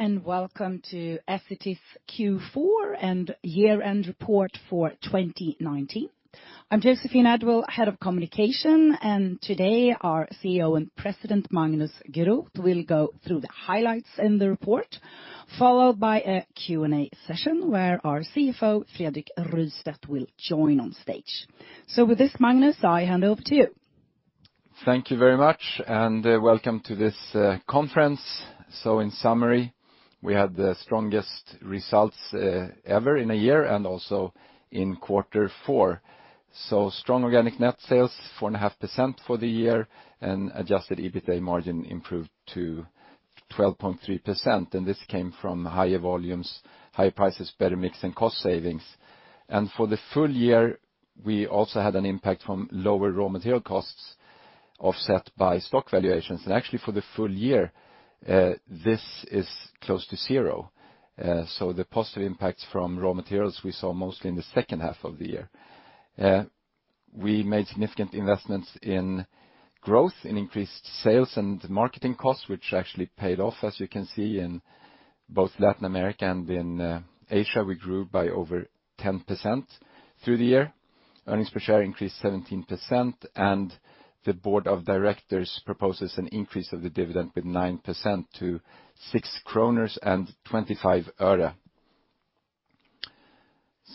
Hello, and welcome to Essity's Q4 and year-end report for 2019. I'm Joséphine Edwall-Björklund, head of communication, and today our CEO and President, Magnus Groth, will go through the highlights in the report, followed by a Q&A session where our CFO, Fredrik Rystedt, will join on stage. With this, Magnus, I hand over to you. Thank you very much, and welcome to this conference. In summary, we had the strongest results ever in a year and also in quarter four. Strong organic net sales 4.5% for the year, and adjusted EBITDA margin improved to 12.3%, and this came from higher volumes, higher prices, better mix, and cost savings. For the full year, we also had an impact from lower raw material costs offset by stock valuations. Actually, for the full year, this is close to zero. The positive impacts from raw materials we saw mostly in the second half of the year. We made significant investments in growth, in increased sales and marketing costs, which actually paid off, as you can see, in both Latin America and in Asia, we grew by over 10% through the year. Earnings per share increased 17%. The board of directors proposes an increase of the dividend with 9% to SEK 6.25.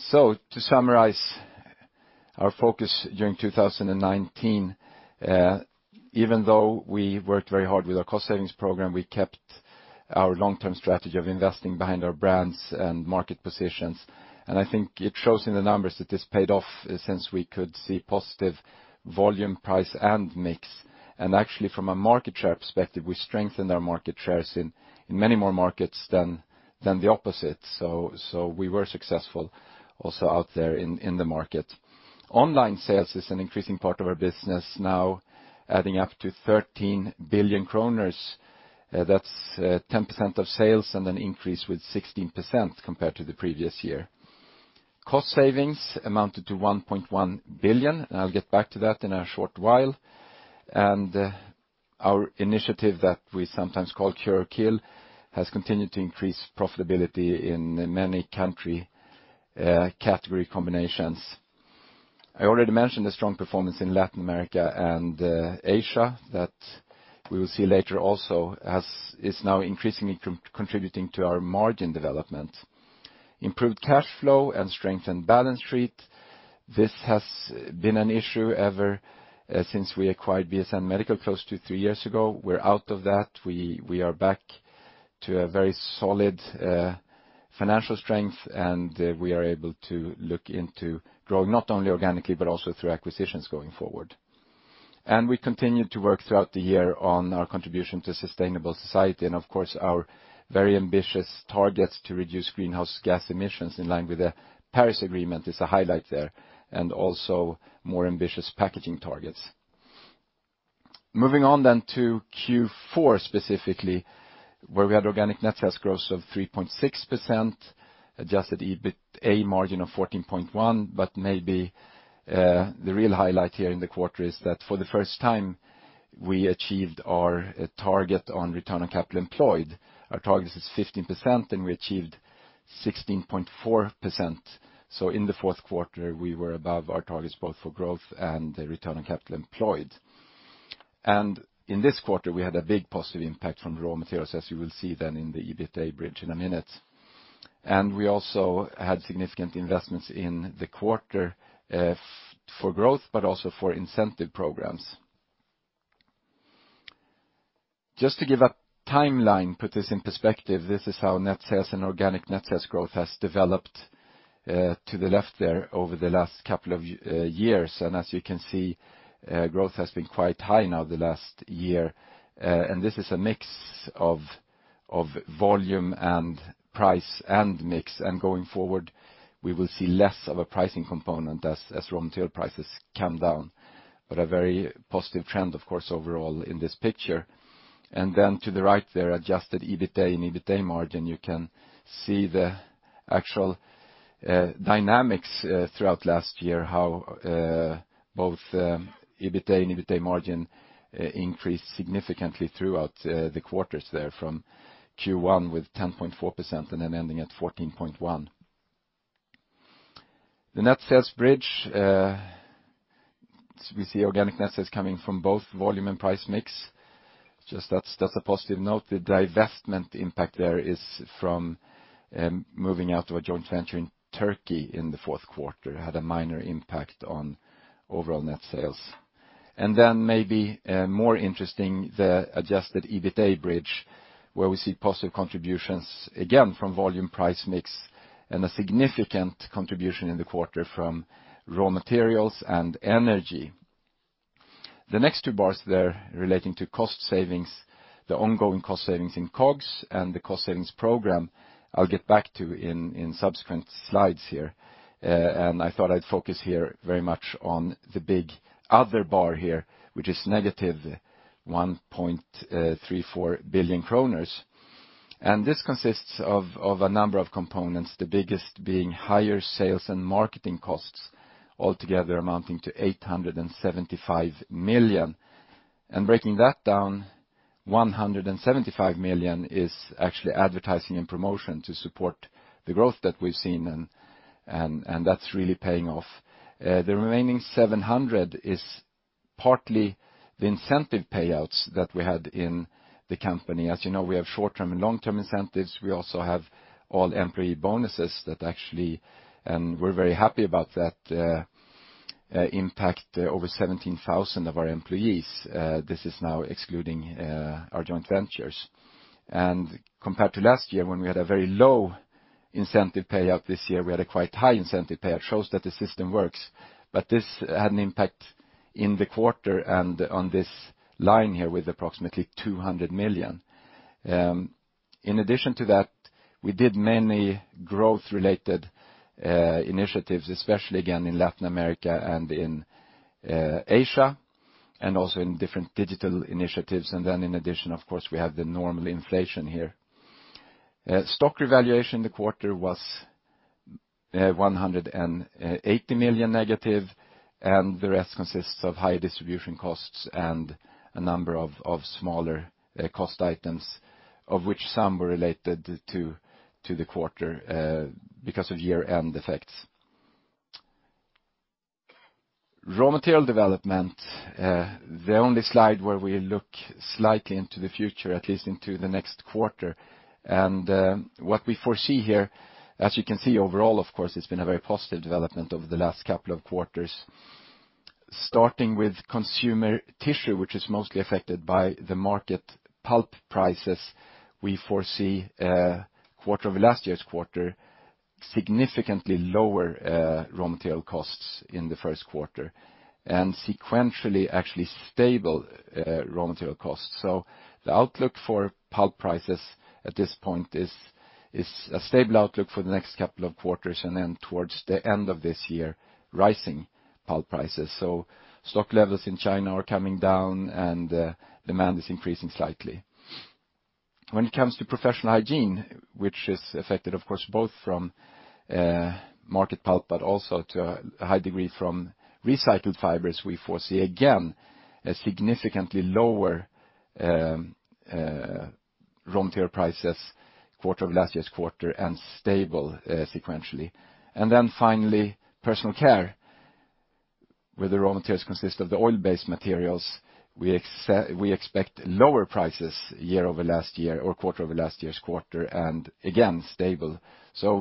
To summarize our focus during 2019, even though we worked very hard with our cost savings program, we kept our long-term strategy of investing behind our brands and market positions. I think it shows in the numbers that this paid off since we could see positive volume, price, and mix. Actually, from a market share perspective, we strengthened our market shares in many more markets than the opposite. We were successful also out there in the market. Online sales is an increasing part of our business now, adding up to 13 billion kronor. That's 10% of sales and an increase with 16% compared to the previous year. Cost savings amounted to 1.1 billion. I'll get back to that in a short while. Our initiative that we sometimes call Cure or Kill has continued to increase profitability in many country category combinations. I already mentioned the strong performance in Latin America and Asia that we will see later also is now increasingly contributing to our margin development. Improved cash flow and strengthened balance sheet. This has been an issue ever since we acquired BSN medical close to three years ago. We're out of that. We are back to a very solid financial strength, and we are able to look into growing not only organically, but also through acquisitions going forward. We continued to work throughout the year on our contribution to sustainable society, and of course, our very ambitious targets to reduce greenhouse gas emissions in line with the Paris Agreement is a highlight there, and also more ambitious packaging targets. Moving on then to Q4 specifically, where we had organic net sales growth of 3.6%, adjusted EBITDA margin of 14.1%. Maybe the real highlight here in the quarter is that for the first time, we achieved our target on return on capital employed. Our target is 15%, we achieved 16.4%. In the fourth quarter, we were above our targets both for growth and return on capital employed. In this quarter, we had a big positive impact from raw materials, as you will see then in the EBITDA bridge in a minute. We also had significant investments in the quarter for growth, also for incentive programs. Just to give a timeline, put this in perspective, this is how net sales and organic net sales growth has developed to the left there over the last couple of years. As you can see, growth has been quite high now the last year. This is a mix of volume and price and mix. Going forward, we will see less of a pricing component as raw material prices come down. A very positive trend, of course, overall in this picture. To the right there, adjusted EBITDA and EBITDA margin, you can see the actual dynamics throughout last year, how both EBITDA and EBITDA margin increased significantly throughout the quarters there from Q1 with 10.4% and then ending at 14.1%. The net sales bridge. We see organic net sales coming from both volume and price mix. Just that's a positive note. The divestment impact there is from moving out of a joint venture in Turkey in the fourth quarter, had a minor impact on overall net sales. Maybe more interesting, the adjusted EBITDA bridge, where we see positive contributions, again from volume price mix, and a significant contribution in the quarter from raw materials and energy. The next two bars there relating to cost savings, the ongoing cost savings in COGS and the cost savings program, I'll get back to in subsequent slides here. I thought I'd focus here very much on the big other bar here, which is negative 1.34 billion kronor. This consists of a number of components, the biggest being higher sales and marketing costs. Altogether amounting to 875 million. Breaking that down, 175 million is actually advertising and promotion to support the growth that we've seen, and that's really paying off. The remaining 700 is partly the incentive payouts that we had in the company. As you know, we have short-term and long-term incentives. We also have all employee bonuses, and we're very happy about that impact over 17,000 of our employees. This is now excluding our joint ventures. Compared to last year, when we had a very low incentive payout, this year we had a quite high incentive payout. Shows that the system works. This had an impact in the quarter and on this line here with approximately 200 million. In addition to that, we did many growth-related initiatives, especially again in Latin America and in Asia, and also in different digital initiatives. In addition, of course, we have the normal inflation here. Stock revaluation in the quarter was 180 million negative, and the rest consists of high distribution costs and a number of smaller cost items, of which some were related to the quarter because of year-end effects. Raw material development, the only slide where we look slightly into the future, at least into the next quarter. What we foresee here, as you can see overall, of course, it's been a very positive development over the last couple of quarters. Starting with consumer tissue, which is mostly affected by the market pulp prices, we foresee quarter over last year's quarter, significantly lower raw material costs in the first quarter, and sequentially, actually stable raw material costs. The outlook for pulp prices at this point is a stable outlook for the next couple of quarters, and then towards the end of this year, rising pulp prices. Stock levels in China are coming down and demand is increasing slightly. When it comes to professional hygiene, which is affected, of course, both from market pulp, but also to a high degree from recycled fibers, we foresee, again, a significantly lower raw material prices quarter over last year's quarter and stable sequentially. Finally, personal care, where the raw materials consist of the oil-based materials. We expect lower prices year over last year or quarter over last year's quarter, and again, stable.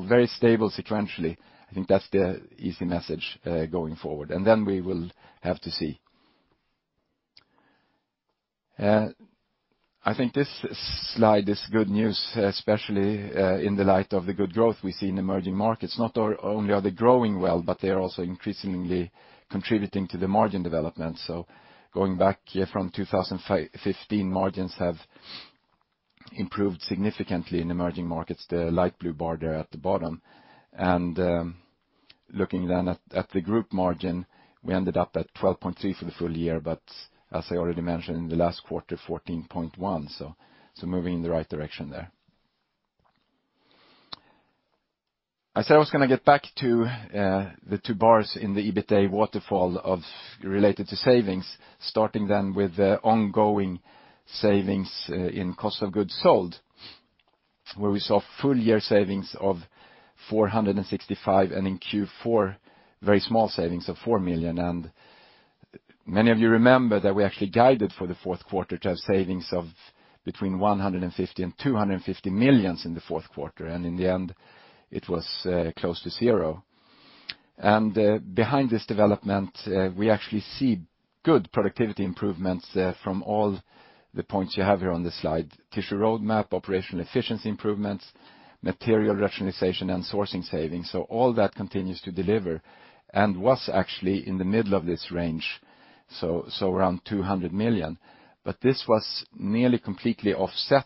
Very stable sequentially. I think that's the easy message going forward. We will have to see. I think this slide is good news, especially in the light of the good growth we see in emerging markets. Not only are they growing well, but they are also increasingly contributing to the margin development. Going back from 2015, margins have improved significantly in emerging markets, the light blue bar there at the bottom. Looking at the group margin, we ended up at 12.3% for the full year, as I already mentioned in the last quarter, 14.1%, moving in the right direction there. I said I was going to get back to the two bars in the EBITDA waterfall related to savings, starting with the ongoing savings in Cost of Goods Sold, where we saw full year savings of 465, and in Q4, very small savings of 4 million. Many of you remember that we actually guided for the fourth quarter to have savings of between 150 million and 250 million in the fourth quarter. In the end, it was close to zero. Behind this development, we actually see good productivity improvements from all the points you have here on this slide. Tissue Roadmap, operational efficiency improvements, material rationalization, and sourcing savings. All that continues to deliver and was actually in the middle of this range, around 200 million. This was nearly completely offset,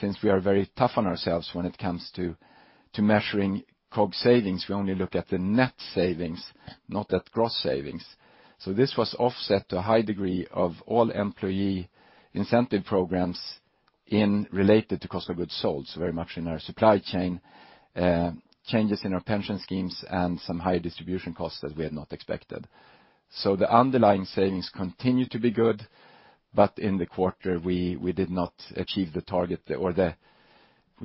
since we are very tough on ourselves when it comes to measuring COGS savings. We only look at the net savings, not at gross savings. This was offset to a high degree of all employee incentive programs related to cost of goods sold, very much in our supply chain, changes in our pension schemes, and some higher distribution costs that we had not expected. The underlying savings continue to be good, but in the quarter, we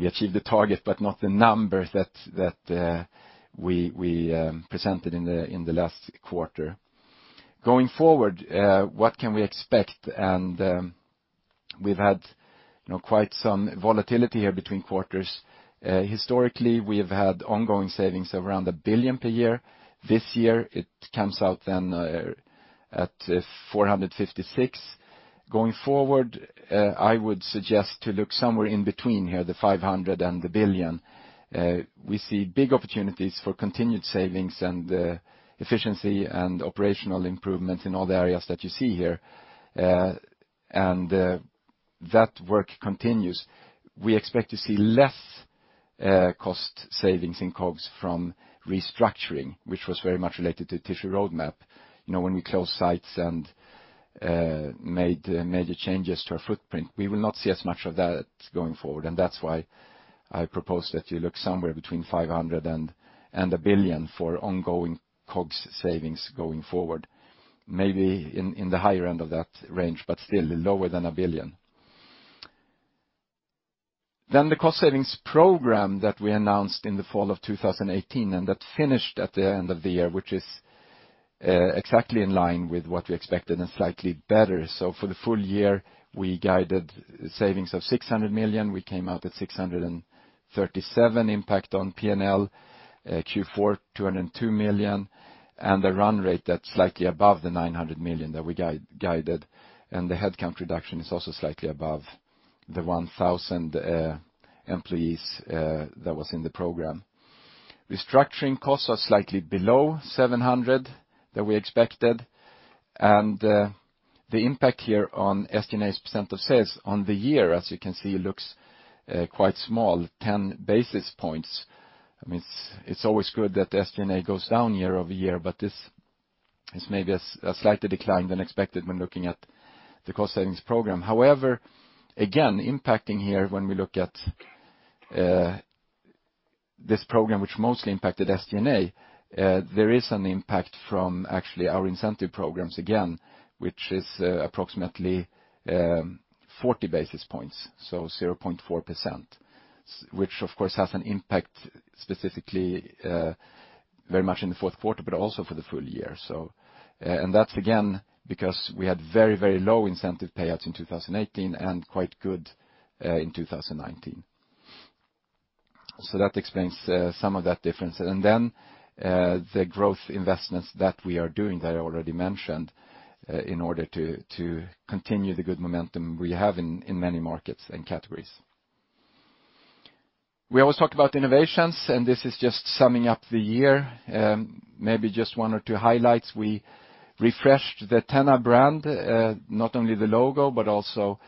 achieved the target but not the numbers that we presented in the last quarter. Going forward, what can we expect? We've had quite some volatility here between quarters. Historically, we have had ongoing savings of around 1 billion per year. This year, it comes out then at 456. Going forward, I would suggest to look somewhere in between here, 500 million and 1 billion. We see big opportunities for continued savings and efficiency and operational improvement in all the areas that you see here. That work continues. We expect to see less cost savings in COGS from restructuring, which was very much related to Tissue Roadmap. When we closed sites and made major changes to our footprint, we will not see as much of that going forward. That's why I propose that you look somewhere between 500 million and 1 billion for ongoing COGS savings going forward. Maybe in the higher end of that range, but still lower than 1 billion. The cost savings program that we announced in the fall of 2018, and that finished at the end of the year, which is exactly in line with what we expected and slightly better. For the full year, we guided savings of 600 million. We came out at 637 million impact on P&L. Q4, 202 million, and a run rate that's slightly above the 900 million that we guided. The headcount reduction is also slightly above the 1,000 employees that was in the program. Restructuring costs are slightly below 700 million that we expected. The impact here on SG&A as % of sales on the year, as you can see, looks quite small, 10 basis points. It's always good that the SG&A goes down year-over-year, but this is maybe a slight decline than expected when looking at the cost savings program. Impacting here when we look at this program which mostly impacted SG&A, there is an impact from actually our incentive programs again, which is approximately 40 basis points, so 0.4%, which of course has an impact specifically very much in the fourth quarter, but also for the full year. That's again because we had very low incentive payouts in 2018 and quite good in 2019. That explains some of that difference. The growth investments that we are doing that I already mentioned in order to continue the good momentum we have in many markets and categories. We always talk about innovations, and this is just summing up the year. Maybe just one or two highlights. We refreshed the TENA brand, not only the logo, but also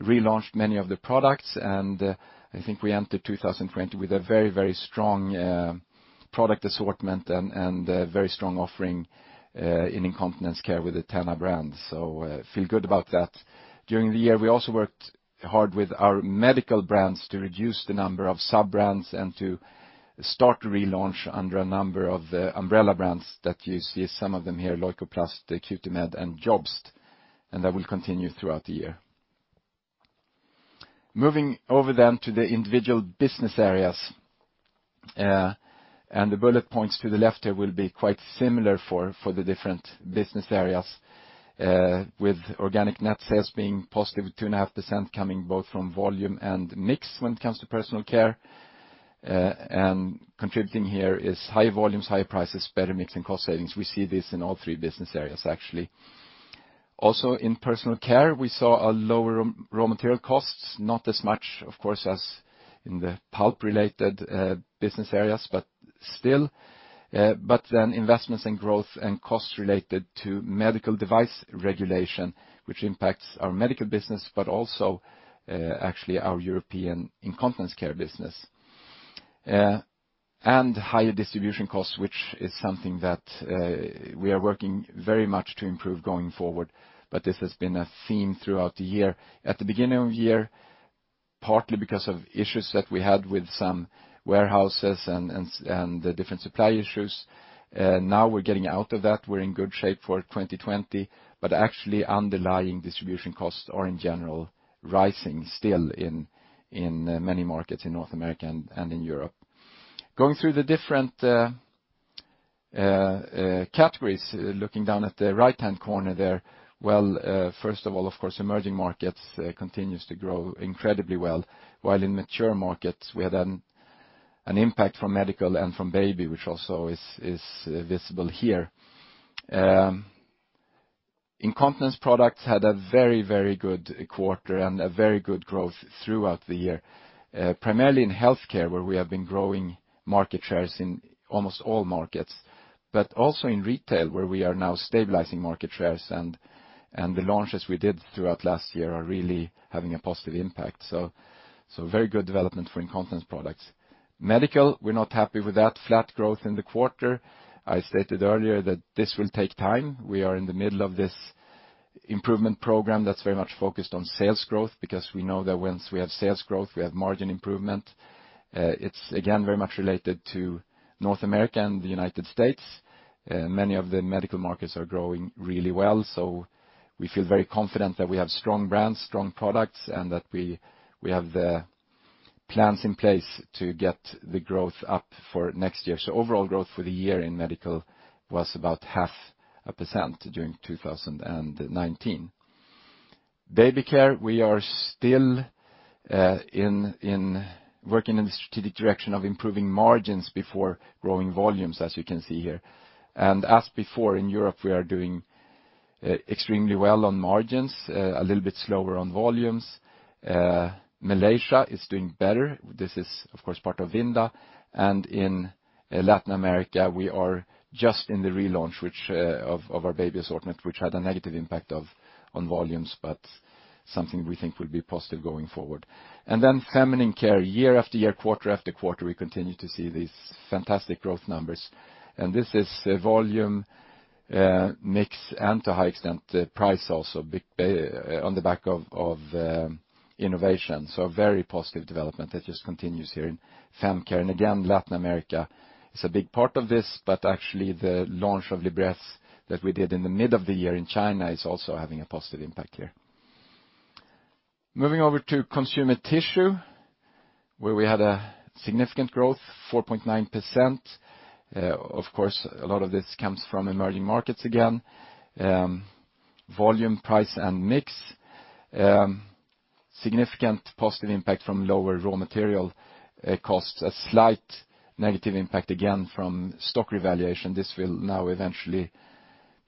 relaunched many of the products. I think we entered 2020 with a very strong product assortment and a very strong offering in incontinence care with the TENA brand. Feel good about that. During the year, we also worked hard with our medical brands to reduce the number of sub-brands and to start to relaunch under a number of the umbrella brands that you see some of them here, Leukoplast, Cutimed, Jobst. That will continue throughout the year. Moving over to the individual business areas. The bullet points to the left there will be quite similar for the different business areas, with organic net sales being positive at 2.5% coming both from volume and mix when it comes to personal care. Contributing here is high volumes, higher prices, better mix, and cost savings. We see this in all three business areas, actually. In Personal Care, we saw a lower raw material costs, not as much, of course, as in the pulp-related business areas, but still. Investments in growth and costs related to medical device regulation, which impacts our medical business, but also actually our European Incontinence Care business. Higher distribution costs, which is something that we are working very much to improve going forward. This has been a theme throughout the year, at the beginning of the year, partly because of issues that we had with some warehouses and the different supply issues. Now we're getting out of that. We're in good shape for 2020. Actually underlying distribution costs are in general rising still in many markets in North America and in Europe. Going through the different categories, looking down at the right-hand corner there. Well, first of all, of course, emerging markets continues to grow incredibly well, while in mature markets, we had an impact from medical and from baby, which also is visible here. Incontinence products had a very good quarter and a very good growth throughout the year, primarily in healthcare, where we have been growing market shares in almost all markets, but also in retail, where we are now stabilizing market shares and the launches we did throughout last year are really having a positive impact. Very good development for Incontinence products. Medical, we're not happy with that. Flat growth in the quarter. I stated earlier that this will take time. We are in the middle of this improvement program that's very much focused on sales growth because we know that once we have sales growth, we have margin improvement. It's again very much related to North America and the United States. Many of the medical markets are growing really well. We feel very confident that we have strong brands, strong products, and that we have the plans in place to get the growth up for next year. Overall growth for the year in medical was about 0.5% during 2019. Baby Care, we are still working in the strategic direction of improving margins before growing volumes, as you can see here. As before, in Europe, we are doing extremely well on margins, a little bit slower on volumes. Malaysia is doing better. This is, of course, part of Vinda. In Latin America, we are just in the relaunch of our baby assortment, which had a negative impact on volumes, but something we think will be positive going forward. Feminine Care, year after year, quarter after quarter, we continue to see these fantastic growth numbers. This is volume mix and to a high extent, price also on the back of innovation. A very positive development that just continues here in Feminine Care. Again, Latin America is a big part of this, but actually the launch of Libresse that we did in the middle of the year in China is also having a positive impact here. Moving over to Consumer Tissue, where we had a significant growth, 4.9%. Of course, a lot of this comes from emerging markets again. Volume, price, and mix. Significant positive impact from lower raw material costs. A slight negative impact, again, from stock revaluation. This will now eventually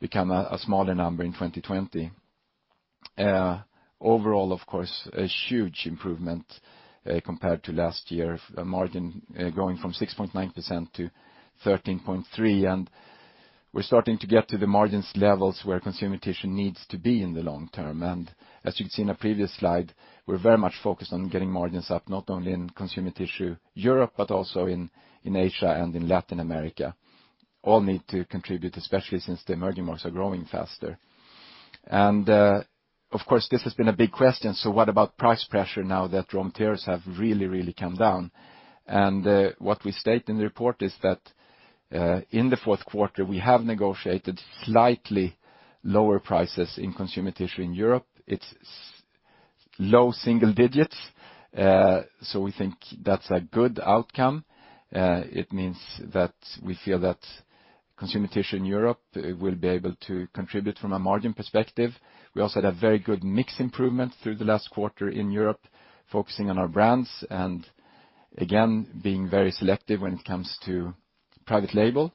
become a smaller number in 2020. Overall, of course, a huge improvement compared to last year. A margin going from 6.9% to 13.3%, we're starting to get to the margins levels where Consumer Tissue needs to be in the long term. As you can see in a previous slide, we're very much focused on getting margins up, not only in Consumer Tissue Europe, but also in Asia and in Latin America. All need to contribute, especially since the emerging markets are growing faster. Of course, this has been a big question, what about price pressure now that raw materials have really come down? What we state in the report is that in the fourth quarter, we have negotiated slightly lower prices in Consumer Tissue in Europe. It's low single digits. We think that's a good outcome. It means that we feel that Consumer Tissue in Europe will be able to contribute from a margin perspective. We also had a very good mix improvement through the last quarter in Europe, focusing on our brands and again, being very selective when it comes to private label.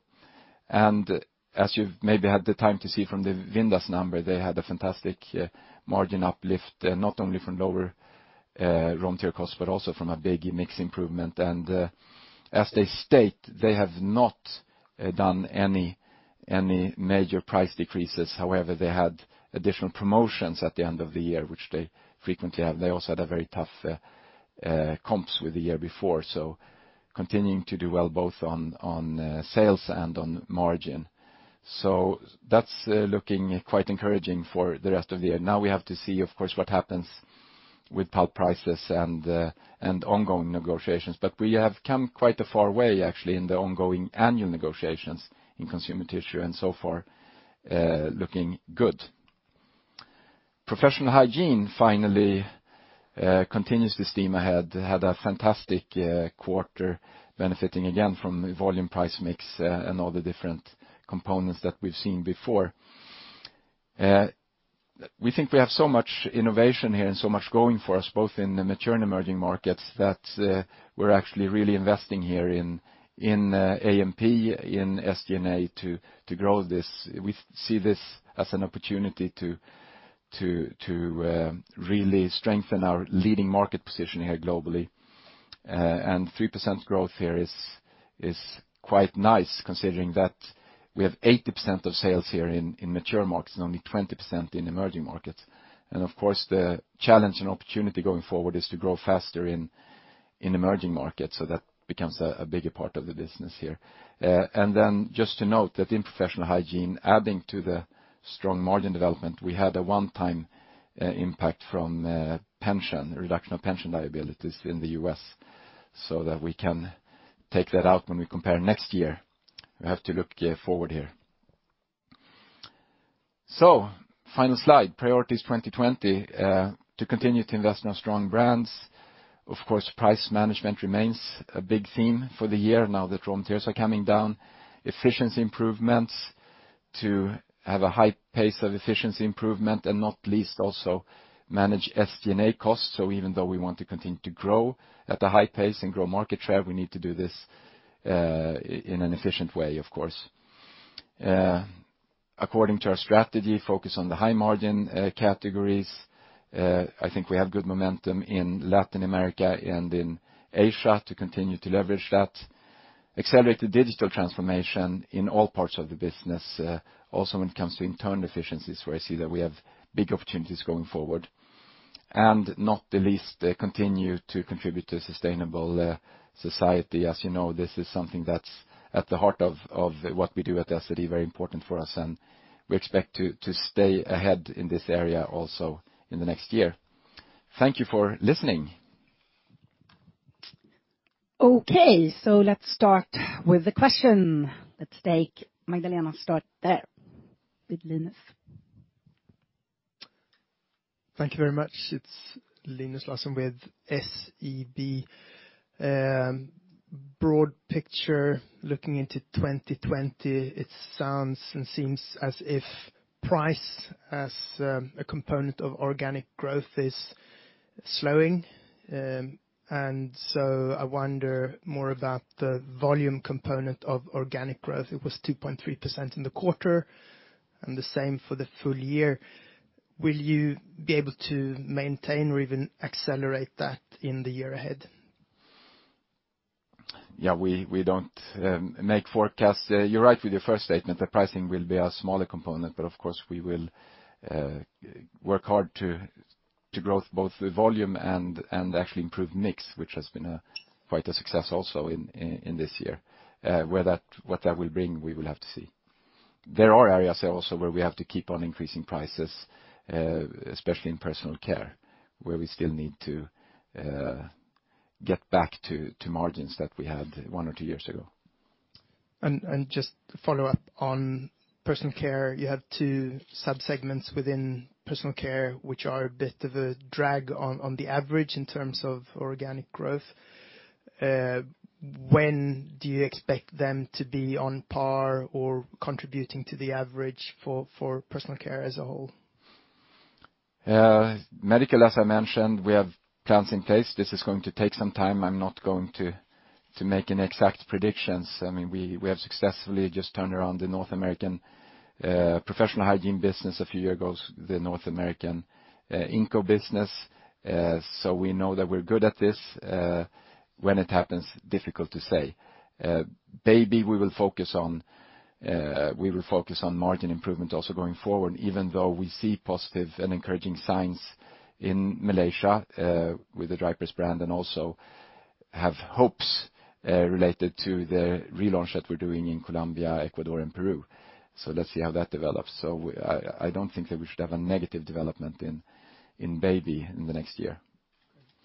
As you've maybe had the time to see from the Vinda's number, they had a fantastic margin uplift, not only from lower raw material costs, but also from a big mix improvement. As they state, they have not done any major price decreases. However, they had additional promotions at the end of the year, which they frequently have. They also had a very tough comps with the year before, so continuing to do well, both on sales and on margin. That's looking quite encouraging for the rest of the year. Now we have to see, of course, what happens with pulp prices and ongoing negotiations. We have come quite a far way, actually, in the ongoing annual negotiations in Consumer Tissue, and so far, looking good. Professional Hygiene finally continues to steam ahead. It had a fantastic quarter, benefiting again from volume price mix and all the different components that we've seen before. We think we have so much innovation here and so much going for us, both in the mature and emerging markets, that we're actually really investing here in AMP, in SG&A to grow this. We see this as an opportunity to really strengthen our leading market position here globally. 3% growth here is quite nice, considering that we have 80% of sales here in mature markets and only 20% in emerging markets. Of course, the challenge and opportunity going forward is to grow faster in emerging markets so that becomes a bigger part of the business here. Just to note that in Professional Hygiene, adding to the strong margin development, we had a one-time impact from pension, reduction of pension liabilities in the U.S. We can take that out when we compare next year. We have to look forward here. Final slide, priorities 2020. To continue to invest in our strong brands. Of course, price management remains a big theme for the year now that raw materials are coming down. Efficiency improvements to have a high pace of efficiency improvement, and not least also manage SG&A costs. Even though we want to continue to grow at a high pace and grow market share, we need to do this in an efficient way, of course. According to our strategy, focus on the high-margin categories. I think we have good momentum in Latin America and in Asia to continue to leverage that. Accelerate the digital transformation in all parts of the business, also when it comes to internal efficiencies, where I see that we have big opportunities going forward. Not the least, continue to contribute to a sustainable society. As you know, this is something that's at the heart of what we do at Essity, very important for us, and we expect to stay ahead in this area also in the next year. Thank you for listening. Okay, let's start with the question. Let's take Magdalena, start there with Linus. Thank you very much. It's Linus Larsson with SEB. Broad picture, looking into 2020, it sounds and seems as if price as a component of organic growth is slowing. I wonder more about the volume component of organic growth. It was 2.3% in the quarter, and the same for the full year. Will you be able to maintain or even accelerate that in the year ahead? Yeah, we don't make forecasts. You're right with your first statement. Of course, we will work hard to grow both with volume and actually improve mix, which has been quite a success also in this year. What that will bring, we will have to see. There are areas also where we have to keep on increasing prices, especially in personal care, where we still need to get back to margins that we had one or two years ago. Just to follow up on Personal Care, you have two sub-segments within Personal Care, which are a bit of a drag on the average in terms of organic growth. When do you expect them to be on par or contributing to the average for Personal Care as a whole? Medical, as I mentioned, we have plans in place. This is going to take some time. I'm not going to make any exact predictions. We have successfully just turned around the North American professional hygiene business a few years ago, the North American Incontinence Business. We know that we're good at this. When it happens, difficult to say. Baby, we will focus on margin improvement also going forward, even though we see positive and encouraging signs in Malaysia with the Drypers brand, and also have hopes related to the relaunch that we're doing in Colombia, Ecuador, and Peru. Let's see how that develops. I don't think that we should have a negative development in Baby in the next year.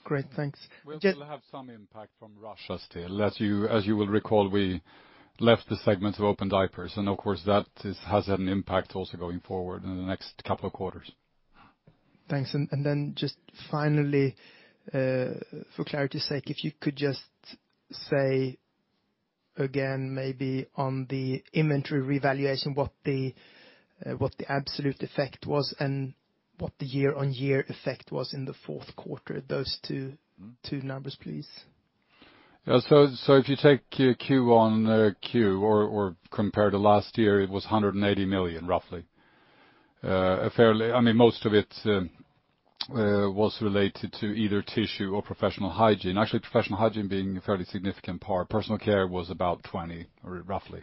Great. Thanks. We'll still have some impact from Russia still. As you will recall, we left the segment of Drypers and of course, that has had an impact also going forward in the next couple of quarters. Thanks. Just finally, for clarity's sake, if you could just say again, maybe on the inventory revaluation, what the absolute effect was and what the year-on-year effect was in the fourth quarter, those two numbers, please. If you take Q on Q or compare to last year, it was 180 million, roughly. Most of it was related to either Tissue or Professional Hygiene. Actually, Professional Hygiene being a fairly significant part. Personal Care was about 20, roughly.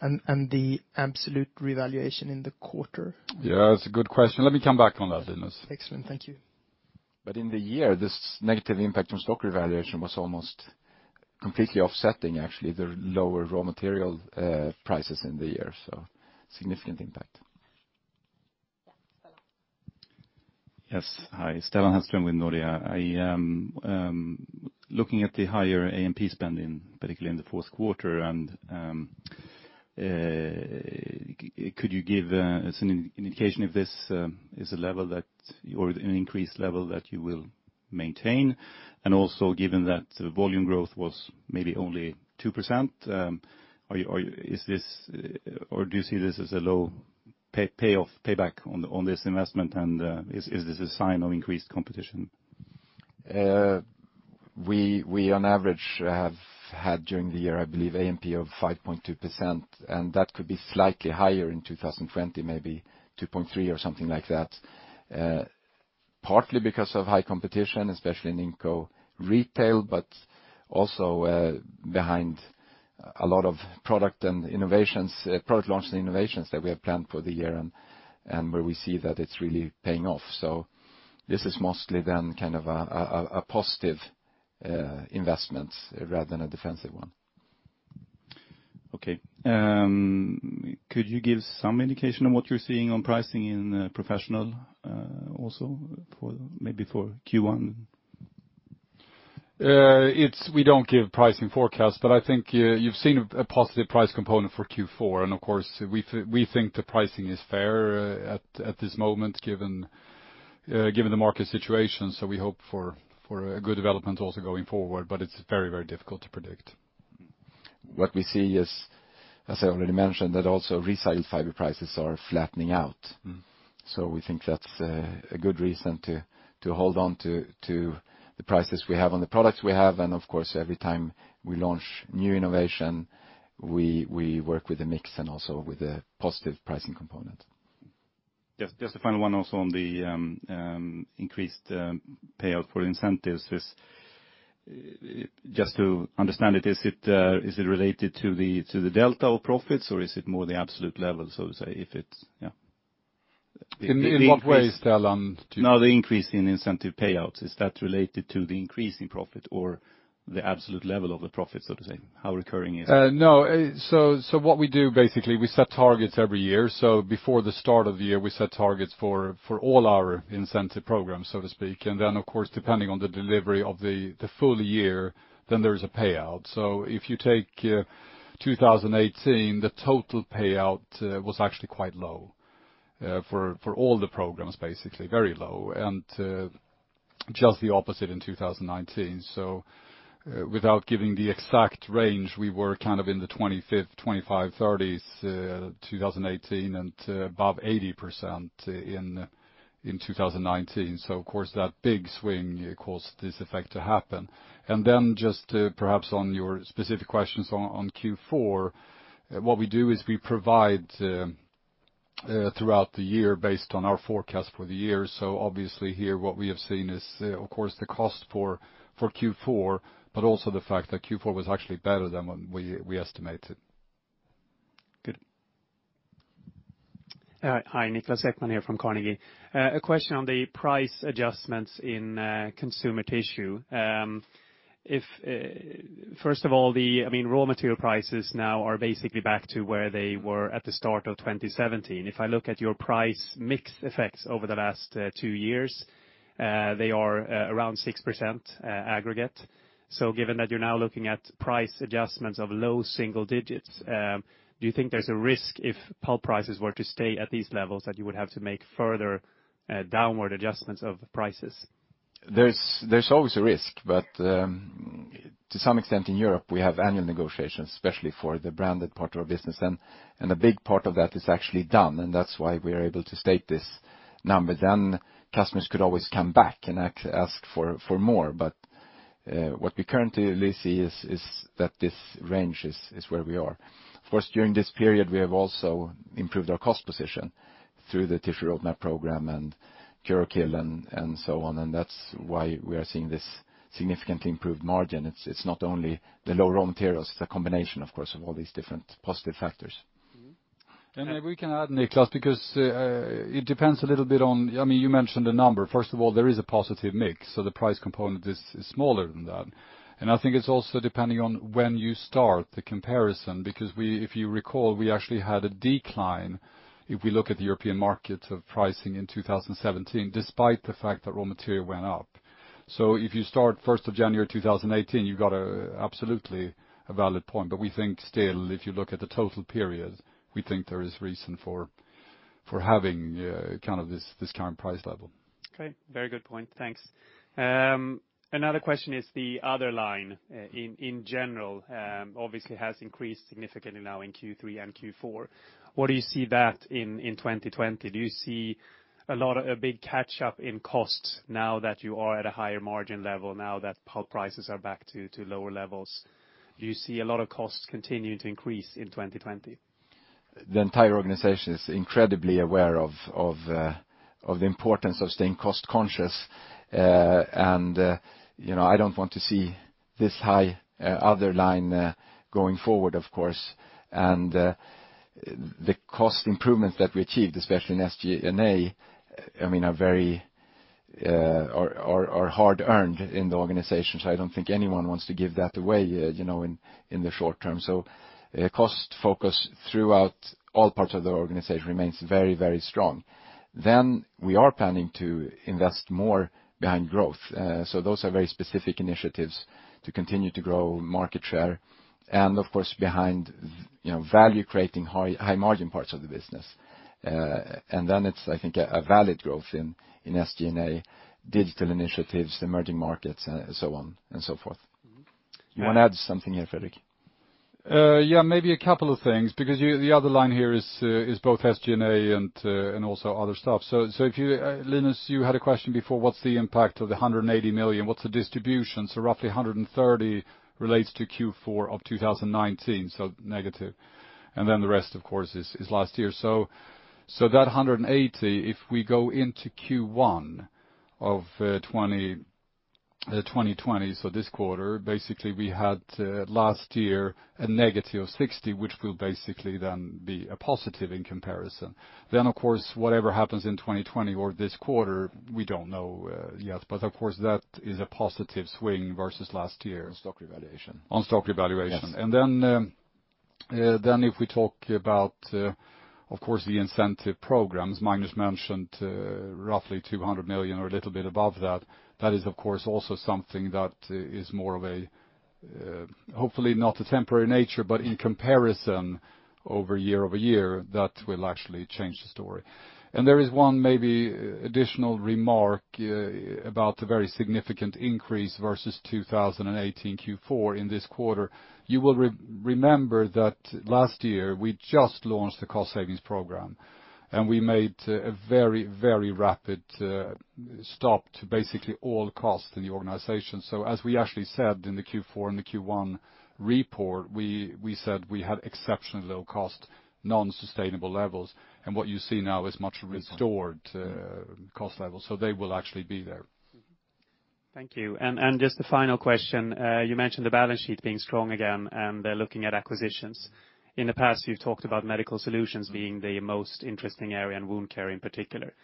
The absolute revaluation in the quarter? Yeah, that's a good question. Let me come back on that, Linus. Excellent. Thank you. In the year, this negative impact from stock revaluation was almost completely offsetting, actually, the lower raw material prices in the year, so significant impact. Yes. Hi, Stellan Hansson with Nordea. Looking at the higher A&P spending, particularly in the fourth quarter, could you give us an indication if this is an increased level that you will maintain? Also, given that volume growth was maybe only 2%, or do you see this as a low payoff payback on this investment? Is this a sign of increased competition? We on average have had, during the year, I believe, AMP of 5.2%, and that could be slightly higher in 2020, maybe 2.3% or something like that. Partly because of high competition, especially in Incontinence retail, but also behind a lot of product launches and innovations that we have planned for the year and where we see that it's really paying off. This is mostly then a positive investment rather than a defensive one. Okay. Could you give some indication on what you're seeing on pricing in Professional also maybe for Q1? We don't give pricing forecasts, but I think you've seen a positive price component for Q4. Of course, we think the pricing is fair at this moment, given the market situation. We hope for a good development also going forward, but it's very difficult to predict. What we see is, as I already mentioned, that also recycled fiber prices are flattening out. We think that's a good reason to hold on to the prices we have on the products we have. Of course, every time we launch new innovation, we work with the mix and also with a positive pricing component. Just a final one also on the increased payout for incentives. Just to understand it, is it related to the delta of profits or is it more the absolute level? In what way, Stellan? The increase in incentive payouts, is that related to the increase in profit or the absolute level of the profit, so to say? How recurring is it? No. What we do, basically, we set targets every year. Before the start of the year, we set targets for all our incentive programs, so to speak. Of course, depending on the delivery of the full year, there is a payout. If you take 2018, the total payout was actually quite low for all the programs, basically. Very low. Just the opposite in 2019. Without giving the exact range, we were in the 25%, 30s, 2018, and above 80% in 2019. Of course, that big swing caused this effect to happen. Just perhaps on your specific questions on Q4, what we do is we provide throughout the year based on our forecast for the year. Obviously here what we have seen is, of course, the cost for Q4, but also the fact that Q4 was actually better than what we estimated. Good. Hi. Niklas Ekman here from Carnegie. A question on the price adjustments in consumer tissue. First of all, raw material prices now are basically back to where they were at the start of 2017. If I look at your price mix effects over the last two years, they are around 6% aggregate. Given that you're now looking at price adjustments of low single digits, do you think there's a risk if pulp prices were to stay at these levels, that you would have to make further downward adjustments of prices? There's always a risk, but to some extent in Europe, we have annual negotiations, especially for the branded part of our business, and a big part of that is actually done, and that's why we are able to state this number. Customers could always come back and ask for more. What we currently see is that this range is where we are. Of course, during this period, we have also improved our cost position through the Tissue Roadmap program and Cure or Kill and so on, and that's why we are seeing this significantly improved margin. It's not only the low raw materials, it's a combination, of course, of all these different positive factors. We can add, Niklas, because it depends a little bit on. You mentioned the number. First of all, there is a positive mix, so the price component is smaller than that. I think it's also depending on when you start the comparison, because if you recall, we actually had a decline if we look at the European market of pricing in 2017, despite the fact that raw material went up. If you start 1st of January 2018, you've got absolutely a valid point. We think still, if you look at the total period, we think there is reason for having this current price level. Okay. Very good point. Thanks. Another question is the other line in general, obviously has increased significantly now in Q3 and Q4. Where do you see that in 2020? Do you see a big catch up in cost now that you are at a higher margin level, now that pulp prices are back to lower levels? Do you see a lot of costs continuing to increase in 2020? The entire organization is incredibly aware of the importance of staying cost conscious. I don't want to see this high other line going forward, of course. The cost improvements that we achieved, especially in SG&A, are hard-earned in the organization. I don't think anyone wants to give that away in the short term. Cost focus throughout all parts of the organization remains very, very strong. We are planning to invest more behind growth. Those are very specific initiatives to continue to grow market share and of course, behind value-creating, high margin parts of the business. It's, I think, a valid growth in SG&A digital initiatives, emerging markets and so on and so forth. You want to add something here, Fredrik? Yeah, maybe a couple of things, the other line here is both SG&A and also other stuff. Linus, you had a question before, what's the impact of the 180 million? What's the distribution? Roughly 130 relates to Q4 of 2019, so negative. The rest, of course, is last year. That 180, if we go into Q1 of 2020, this quarter, basically we had last year a negative 60, which will basically then be a positive in comparison. Of course, whatever happens in 2020 or this quarter, we don't know yet. That is a positive swing versus last year. On stock revaluation. On stock revaluation. Yes. If we talk about, of course, the incentive programs, Magnus mentioned roughly 200 million or a little bit above that. That is, of course, also something that is more of a, hopefully not a temporary nature, but in comparison over year, that will actually change the story. There is one maybe additional remark about the very significant increase versus 2018 Q4 in this quarter. You will remember that last year we just launched the cost savings program, and we made a very, very rapid stop to basically all costs in the organization. As we actually said in the Q4 and the Q1 report, we said we had exceptionally low cost, non-sustainable levels. What you see now is much restored cost levels. They will actually be there. Thank you. Just the final question. You mentioned the balance sheet being strong again, and looking at acquisitions. In the past, you've talked about medical solutions being the most interesting area in wound care in particular.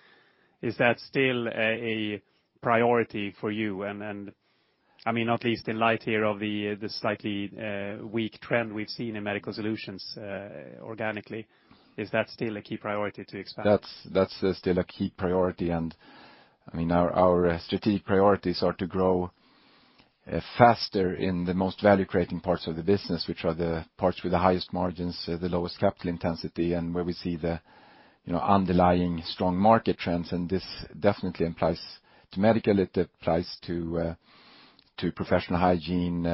Is that still a priority for you? Not least in light here of the slightly weak trend we've seen in medical solutions organically. Is that still a key priority to expand? That's still a key priority. Our strategic priorities are to grow faster in the most value-creating parts of the business, which are the parts with the highest margins, the lowest capital intensity, and where we see the underlying strong market trends. This definitely applies to Medical, it applies to Professional Hygiene,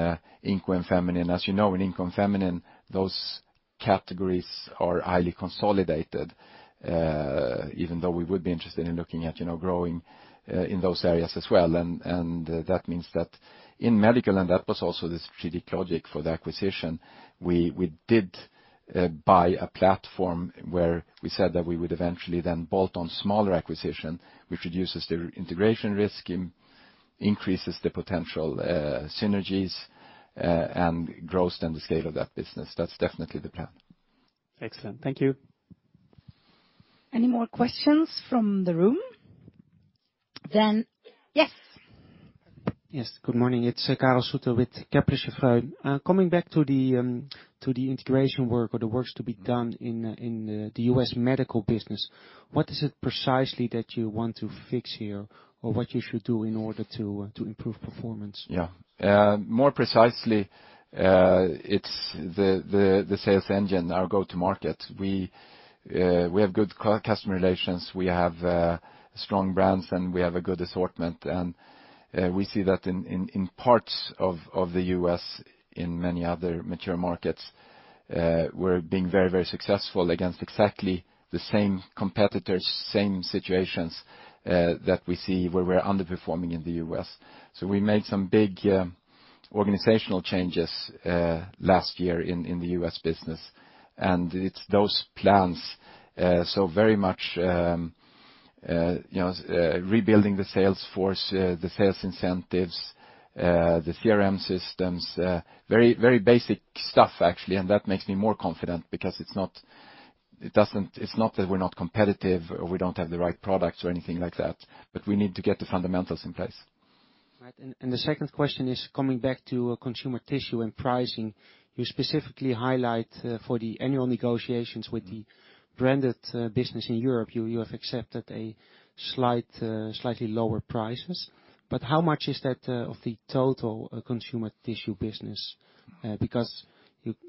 Incontinence and Feminine Care. As you know, in Incontinence and Feminine Care, those categories are highly consolidated, even though we would be interested in looking at growing in those areas as well. That means that in Medical, and that was also the strategic logic for the acquisition, we did buy a platform where we said that we would eventually then bolt on smaller acquisition, which reduces the integration risk, increases the potential synergies, and grows then the scale of that business. That's definitely the plan. Excellent. Thank you. Any more questions from the room, then? Yes. Yes. Good morning. It's Karel Zoete with Kepler Cheuvreux. Coming back to the integration work or the works to be done in the U.S. medical business, what is it precisely that you want to fix here or what you should do in order to improve performance? Yeah. More precisely, it's the sales engine, our go-to market. We have good customer relations, we have strong brands, and we have a good assortment. We see that in parts of the U.S., in many other mature markets, we're being very successful against exactly the same competitors, same situations, that we see where we're underperforming in the U.S. We made some big organizational changes last year in the U.S. business, and it's those plans. Very much rebuilding the sales force, the sales incentives, the CRM systems, very basic stuff, actually, and that makes me more confident because it's not that we're not competitive or we don't have the right products or anything like that, but we need to get the fundamentals in place. Right. The second question is coming back to consumer tissue and pricing. You specifically highlight for the annual negotiations with the branded business in Europe, you have accepted slightly lower prices, but how much is that of the total consumer tissue business?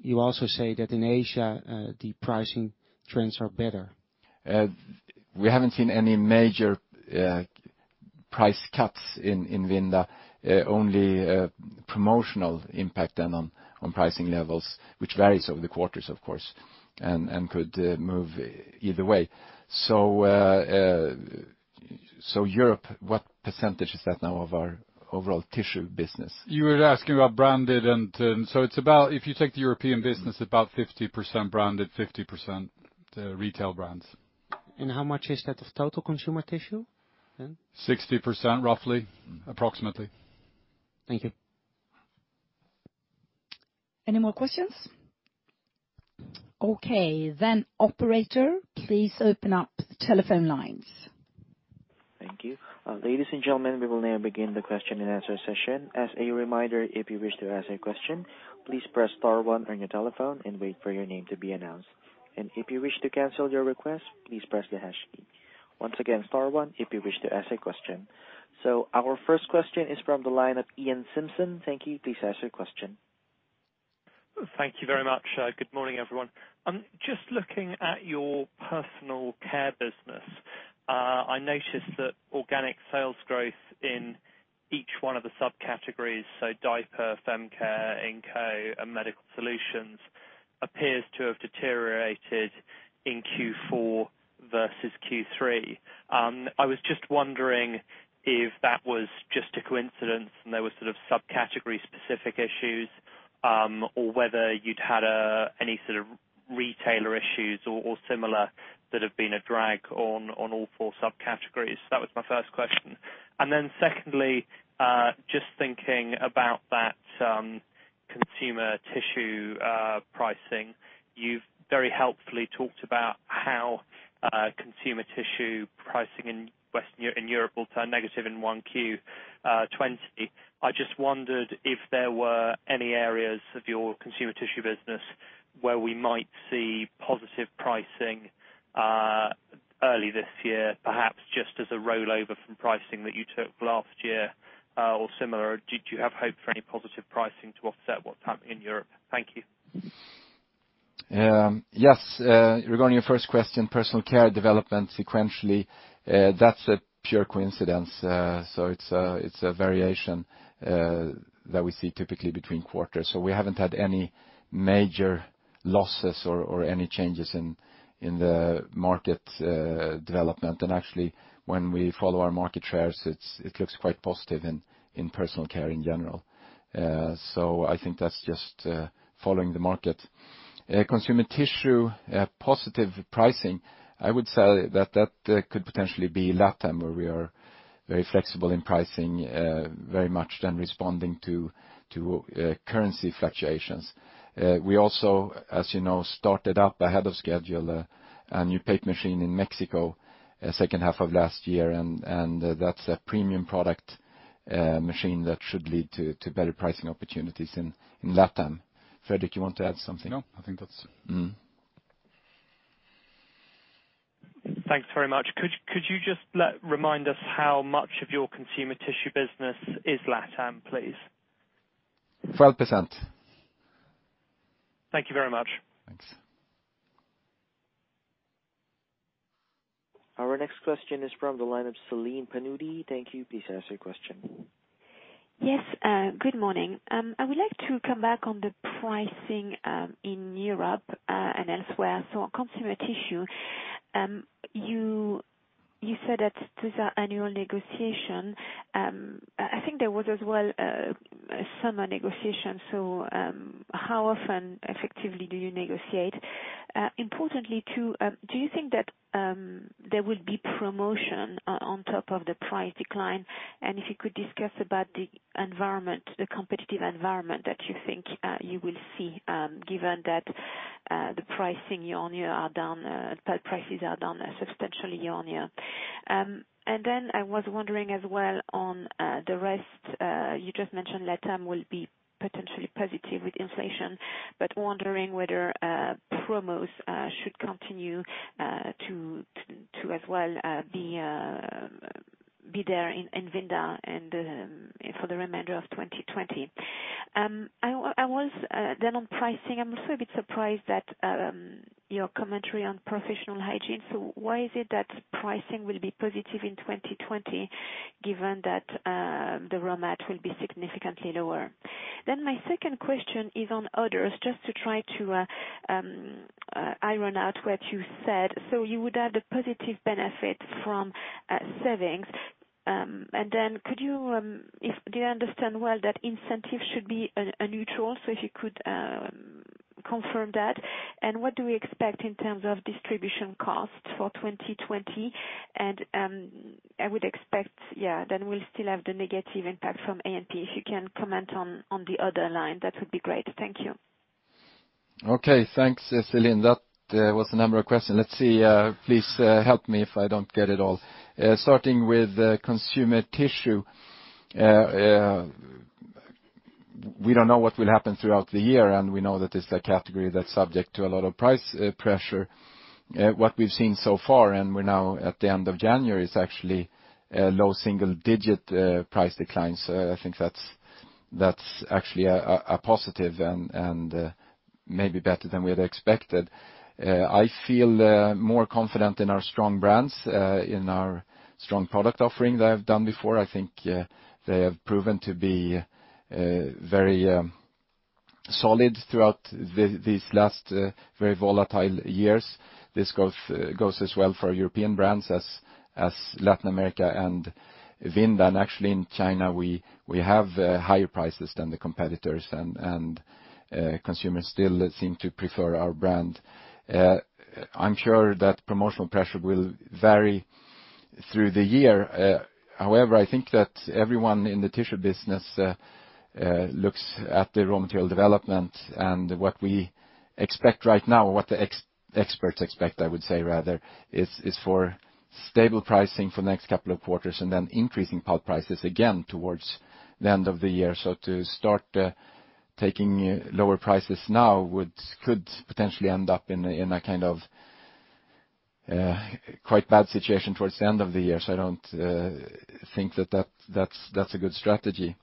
You also say that in Asia, the pricing trends are better. We haven't seen any major price cuts in Vinda, only promotional impact then on pricing levels, which varies over the quarters, of course, and could move either way. Europe, what % is that now of our overall tissue business? You were asking about branded. If you take the European business, about 50% branded, 50% retail brands. How much is that of total consumer tissue then? 60%, roughly. Approximately. Thank you. Any more questions? Okay, operator, please open up the telephone lines. Thank you. Ladies and gentlemen, we will now begin the question-and-answer session. As a reminder, if you wish to ask a question, please press star one on your telephone and wait for your name to be announced. If you wish to cancel your request, please press the hash key. Once again, star one if you wish to ask a question. Our first question is from the line of Iain Simpson. Thank you. Please ask your question. Thank you very much. Good morning, everyone. Just looking at your personal care business, I noticed that organic sales growth in each one of the subcategories, so diaper, Feminine Care, Incontinence, and medical solutions, appears to have deteriorated in Q4 versus Q3. I was just wondering if that was just a coincidence and there were sort of subcategory-specific issues, or whether you'd had any sort of retailer issues or similar that have been a drag on all four subcategories. That was my first question. Secondly, just thinking about that consumer tissue pricing, you've very helpfully talked about how consumer tissue pricing in Europe will turn negative in Q1 2020. I just wondered if there were any areas of your consumer tissue business where we might see positive pricing early this year, perhaps just as a rollover from pricing that you took last year, or similar. Did you have hope for any positive pricing to offset what's happened in Europe? Thank you. Yes. Regarding your first question, Personal Care development sequentially, that's a pure coincidence. It's a variation that we see typically between quarters. Actually, when we follow our market shares, it looks quite positive in Personal Care in general. I think that's just following the market. Consumer Tissue, positive pricing, I would say that that could potentially be LatAm, where we are very flexible in pricing very much then responding to currency fluctuations. We also, as you know, started up ahead of schedule a new paper machine in Mexico second half of last year, that's a premium product machine that should lead to better pricing opportunities in LatAm. Fredrik, you want to add something? No, I think that's. Thanks very much. Could you just remind us how much of your consumer tissue business is LatAm, please? 12%. Thank you very much. Thanks. Our next question is from the line of Celine Pannuti. Thank you. Please ask your question. Yes, good morning. I would like to come back on the pricing in Europe and elsewhere. On consumer tissue, you said that there's annual negotiation. I think there was as well a summer negotiation. How often effectively do you negotiate? Importantly too, do you think that there will be promotion on top of the price decline? If you could discuss about the competitive environment that you think you will see, given that the pricing year-on-year are down, prices are down substantially year-on-year. I was wondering as well on the rest, you just mentioned LatAm will be potentially positive with inflation, but wondering whether promos should continue to as well be there in Vinda and for the remainder of 2020. On pricing, I'm also a bit surprised at your commentary on professional hygiene. Why is it that pricing will be positive in 2020 given that the raw mat will be significantly lower? My second question is on others, just to try to iron out what you said. You would add a positive benefit from savings, and then did I understand well that incentive should be a neutral? If you could confirm that. What do we expect in terms of distribution costs for 2020? I would expect, then we'll still have the negative impact from A&P. If you can comment on the other line, that would be great. Thank you. Okay. Thanks, Celine. That was a number of questions. Let's see. Please help me if I don't get it all. Starting with consumer tissue, we don't know what will happen throughout the year, and we know that it's a category that's subject to a lot of price pressure. What we've seen so far, and we're now at the end of January, is actually low single digit price declines. I think that's actually a positive and maybe better than we had expected. I feel more confident in our strong brands, in our strong product offering than I've done before. I think they have proven to be very solid throughout these last very volatile years. This goes as well for European brands as Latin America and Vinda. Actually, in China, we have higher prices than the competitors and consumers still seem to prefer our brand. I'm sure that promotional pressure will vary through the year. I think that everyone in the tissue business looks at the raw material development and what we expect right now, or what the experts expect, I would say rather, is for stable pricing for the next couple of quarters, and then increasing pulp prices again towards the end of the year. To start taking lower prices now could potentially end up in a kind of quite bad situation towards the end of the year. I don't think that's a good strategy.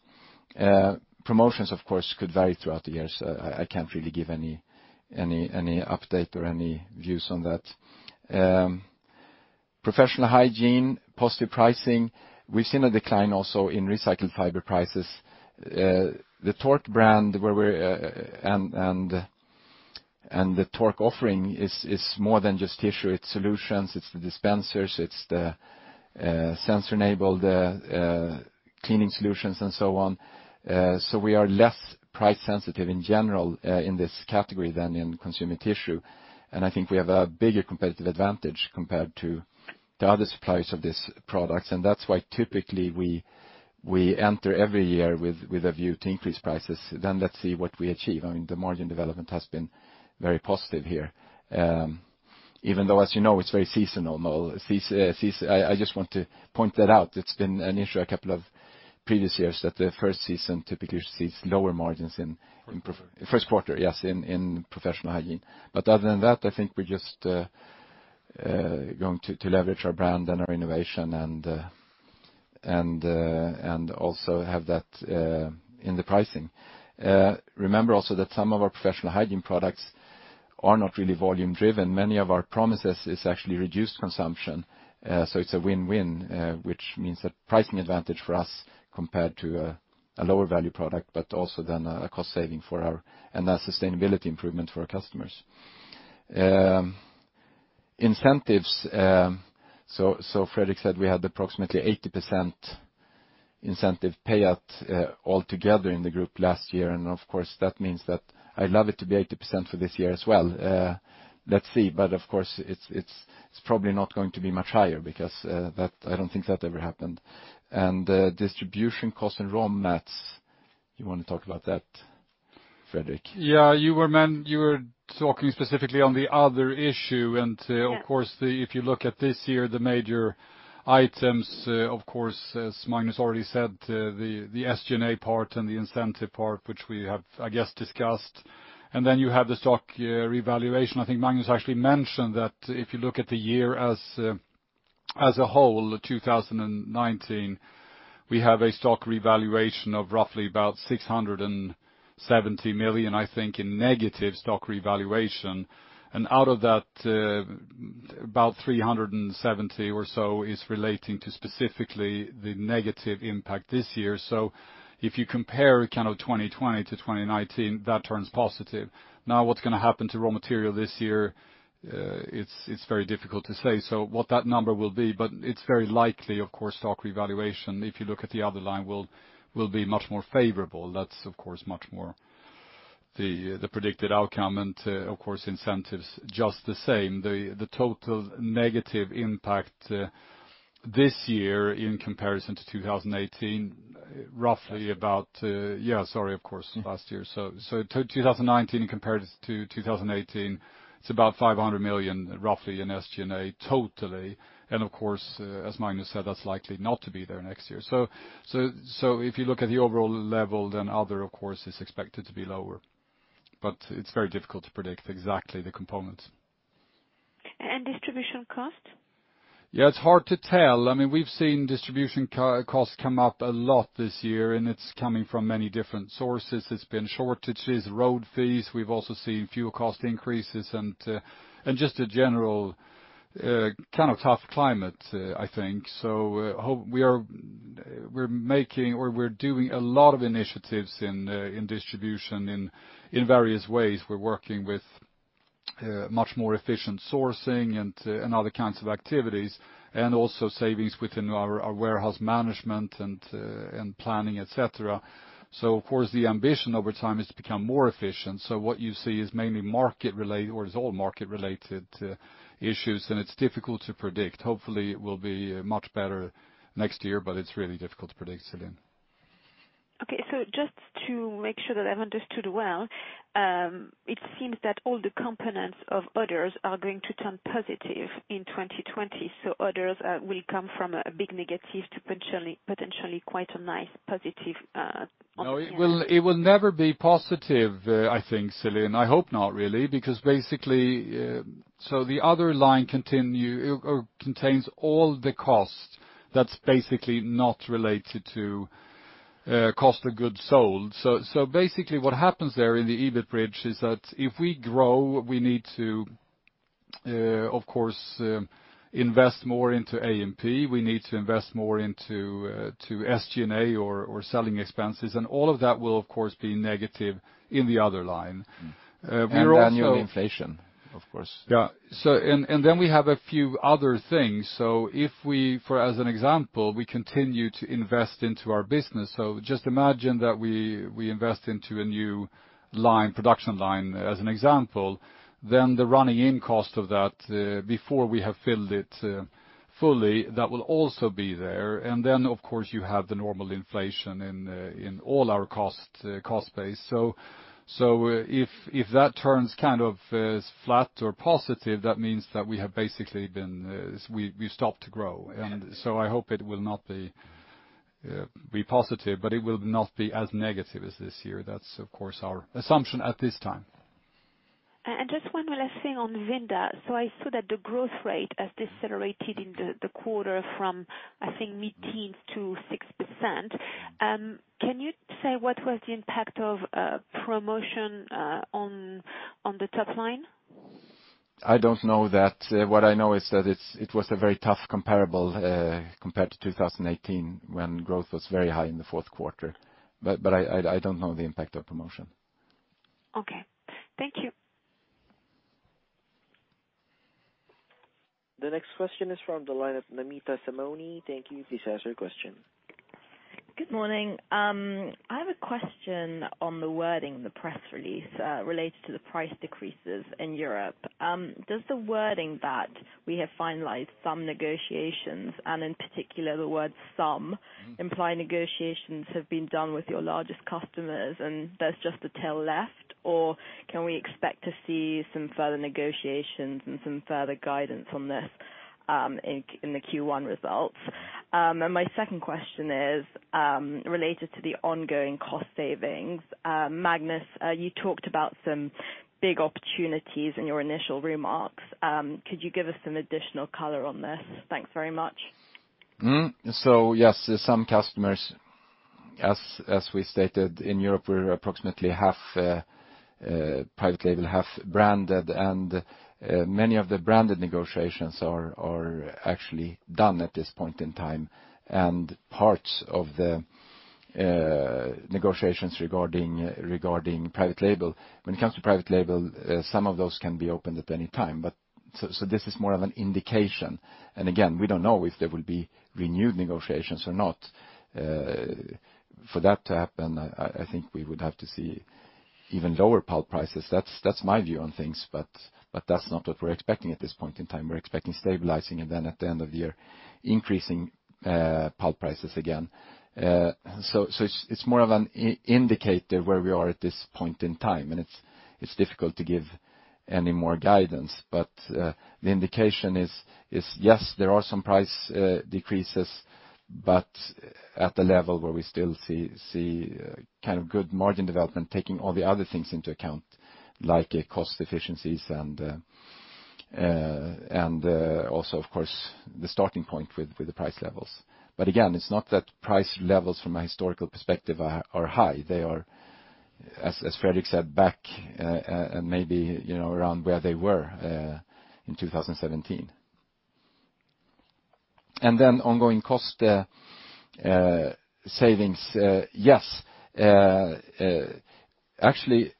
Promotions, of course, could vary throughout the year, so I can't really give any update or any views on that. Professional hygiene, positive pricing. We've seen a decline also in recycled fiber prices. The Tork brand and the Tork offering is more than just tissue, it's solutions, it's the dispensers, it's the sensor-enabled cleaning solutions and so on. We are less price sensitive in general in this category than in consumer tissue, and I think we have a bigger competitive advantage compared to the other suppliers of these products. That's why typically we enter every year with a view to increase prices. Let's see what we achieve. I mean, the margin development has been very positive here. Even though, as you know, it's very seasonal. I just want to point that out. It's been an issue a couple of previous years that the first season typically sees lower margins. First quarter. First quarter, yes, in Professional Hygiene. Other than that, I think we're just going to leverage our brand and our innovation and also have that in the pricing. Remember also that some of our Professional Hygiene products are not really volume driven. Many of our promises is actually reduced consumption, so it's a win-win, which means a pricing advantage for us compared to a lower value product, but also then a cost saving and a sustainability improvement for our customers. Incentives. Fredrik said we had approximately 80% incentive payout altogether in the group last year, and of course, that means that I'd love it to be 80% for this year as well. Let's see. Of course, it's probably not going to be much higher because I don't think that ever happened. Distribution cost and raw mats. You want to talk about that, Fredrik? You were talking specifically on the other issue. Of course, if you look at this year, the major items, of course, as Magnus already said, the SG&A part and the incentive part, which we have, I guess, discussed. Then you have the stock revaluation. I think Magnus actually mentioned that if you look at the year as a whole, 2019, we have a stock revaluation of roughly about 670 million, I think, in negative stock revaluation. Out of that, about 370 or so is relating to specifically the negative impact this year. If you compare 2020 to 2019, that turns positive. What's going to happen to raw material this year? It's very difficult to say. What that number will be, but it's very likely, of course, stock revaluation, if you look at the other line, will be much more favorable. That's of course much more the predicted outcome. Of course, incentives, just the same. The total negative impact this year in comparison to 2018. Last year. Yeah, sorry. Of course. Last year. 2019 compared to 2018, it's about 500 million roughly in SG&A totally. Of course, as Magnus said, that's likely not to be there next year. If you look at the overall level, other, of course, is expected to be lower. It's very difficult to predict exactly the components. Distribution cost? Yeah, it's hard to tell. We've seen distribution costs come up a lot this year, and it's coming from many different sources. It's been shortages, road fees. We've also seen fuel cost increases and just a general kind of tough climate, I think. We're doing a lot of initiatives in distribution in various ways. We're working with much more efficient sourcing and other kinds of activities, and also savings within our warehouse management and planning, et cetera. Of course, the ambition over time is to become more efficient. What you see is mainly market related, or it's all market-related issues, and it's difficult to predict. Hopefully it will be much better next year, but it's really difficult to predict, Celine. Just to make sure that I've understood well, it seems that all the components of others are going to turn positive in 2020. Others will come from a big negative to potentially quite a nice positive on the end. No, it will never be positive, I think, Celine. I hope not, really. The other line contains all the cost that's basically not related to Cost of Goods Sold. Basically what happens there in the EBIT bridge is that if we grow, we need to, of course, invest more into A&P. We need to invest more into SG&A or selling expenses. All of that will, of course, be negative in the other line. Annual inflation, of course. Yeah. We have a few other things. If we, as an example, we continue to invest into our business. Just imagine that we invest into a new production line, as an example, then the running end cost of that before we have filled it fully, that will also be there. Of course, you have the normal inflation in all our cost base. If that turns kind of flat or positive, that means that we have basically stopped grow. I hope it will not be positive, but it will not be as negative as this year. That's of course our assumption at this time. Just one last thing on Vinda. I saw that the growth rate has decelerated in the quarter from, I think, mid-teens to 6%. Can you say what was the impact of promotion on the top line? I don't know that. What I know is that it was a very tough comparable compared to 2018 when growth was very high in the fourth quarter. I don't know the impact of promotion. Okay. Thank you. The next question is from the line of Namita Samani. Thank you. Please ask your question. Good morning. I have a question on the wording of the press release related to the price decreases in Europe. Does the wording that we have finalized some negotiations, and in particular the word some, imply negotiations have been done with your largest customers and there's just a tail left? Or can we expect to see some further negotiations and some further guidance on this in the Q1 results? My second question is related to the ongoing cost savings. Magnus, you talked about some big opportunities in your initial remarks. Could you give us some additional color on this? Thanks very much. Yes, some customers, as we stated, in Europe, we're approximately half private label, half branded, and many of the branded negotiations are actually done at this point in time. Parts of the negotiations regarding private label, when it comes to private label, some of those can be opened at any time. This is more of an indication. Again, we don't know if there will be renewed negotiations or not. For that to happen, I think we would have to see even lower pulp prices. That's my view on things, but that's not what we're expecting at this point in time. We're expecting stabilizing, and then at the end of the year, increasing pulp prices again. It's more of an indicator where we are at this point in time, and it's difficult to give any more guidance. The indication is, yes, there are some price decreases, but at a level where we still see good margin development, taking all the other things into account, like cost efficiencies and also, of course, the starting point with the price levels. Again, it's not that price levels from a historical perspective are high. They are, as Fredrik said, back maybe around where they were in 2017. Then ongoing cost savings. Yes. Actually,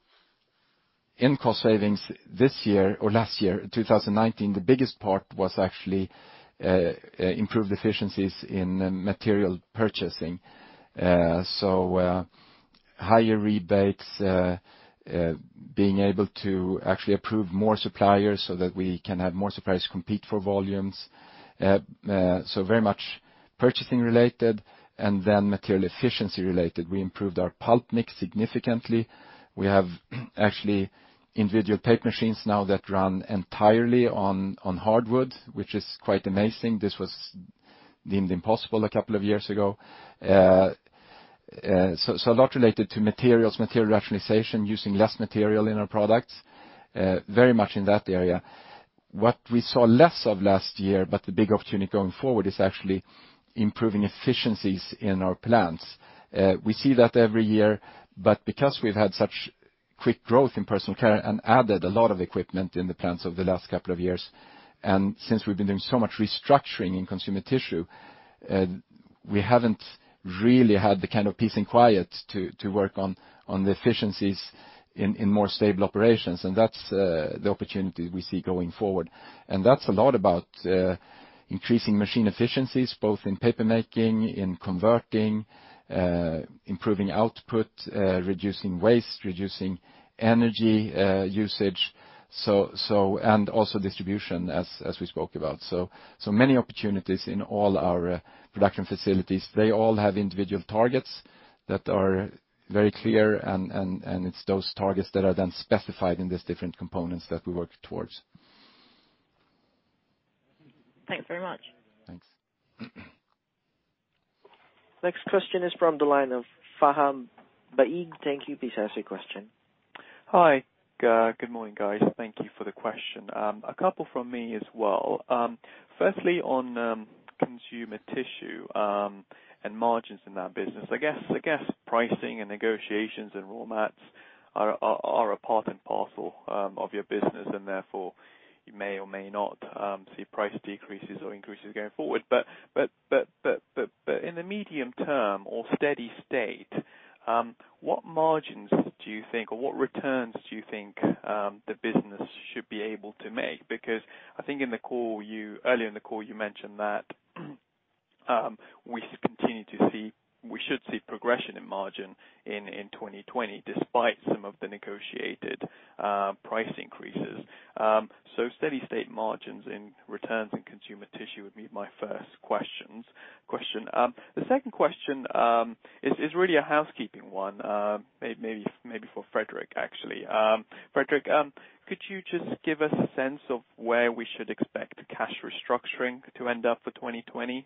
in cost savings this year or last year, 2019, the biggest part was actually improved efficiencies in material purchasing. Higher rebates, being able to actually approve more suppliers so that we can have more suppliers compete for volumes. Very much purchasing related, and then material efficiency related. We improved our pulp mix significantly. We have actually individual tape machines now that run entirely on hardwood, which is quite amazing. This was deemed impossible a couple of years ago. A lot related to materials, material rationalization, using less material in our products, very much in that area. What we saw less of last year, but the big opportunity going forward is actually improving efficiencies in our plants. We see that every year, but because we've had such quick growth in personal care and added a lot of equipment in the plants over the last couple of years, and since we've been doing so much restructuring in consumer tissue, we haven't really had the kind of peace and quiet to work on the efficiencies in more stable operations. That's the opportunity we see going forward. That's a lot about increasing machine efficiencies, both in paper making, in converting, improving output, reducing waste, reducing energy usage, and also distribution, as we spoke about. Many opportunities in all our production facilities. They all have individual targets that are very clear, it's those targets that are then specified in these different components that we work towards. Thanks very much. Thanks. Next question is from the line of Faham Baig. Thank you. Please ask your question. Hi. Good morning, guys. Thank you for the question. A couple from me as well. Firstly, on consumer tissue, and margins in that business. I guess pricing and negotiations and raw mats are a part and parcel of your business, therefore you may or may not see price decreases or increases going forward. In the medium term or steady state, what margins do you think, or what returns do you think the business should be able to make? I think earlier in the call you mentioned that we should see progression in margin in 2020 despite some of the negotiated price increases. Steady state margins in returns and consumer tissue would be my first question. The second question is really a housekeeping one. Maybe for Fredrik, actually. Fredrik, could you just give us a sense of where we should expect cash restructuring to end up for 2020,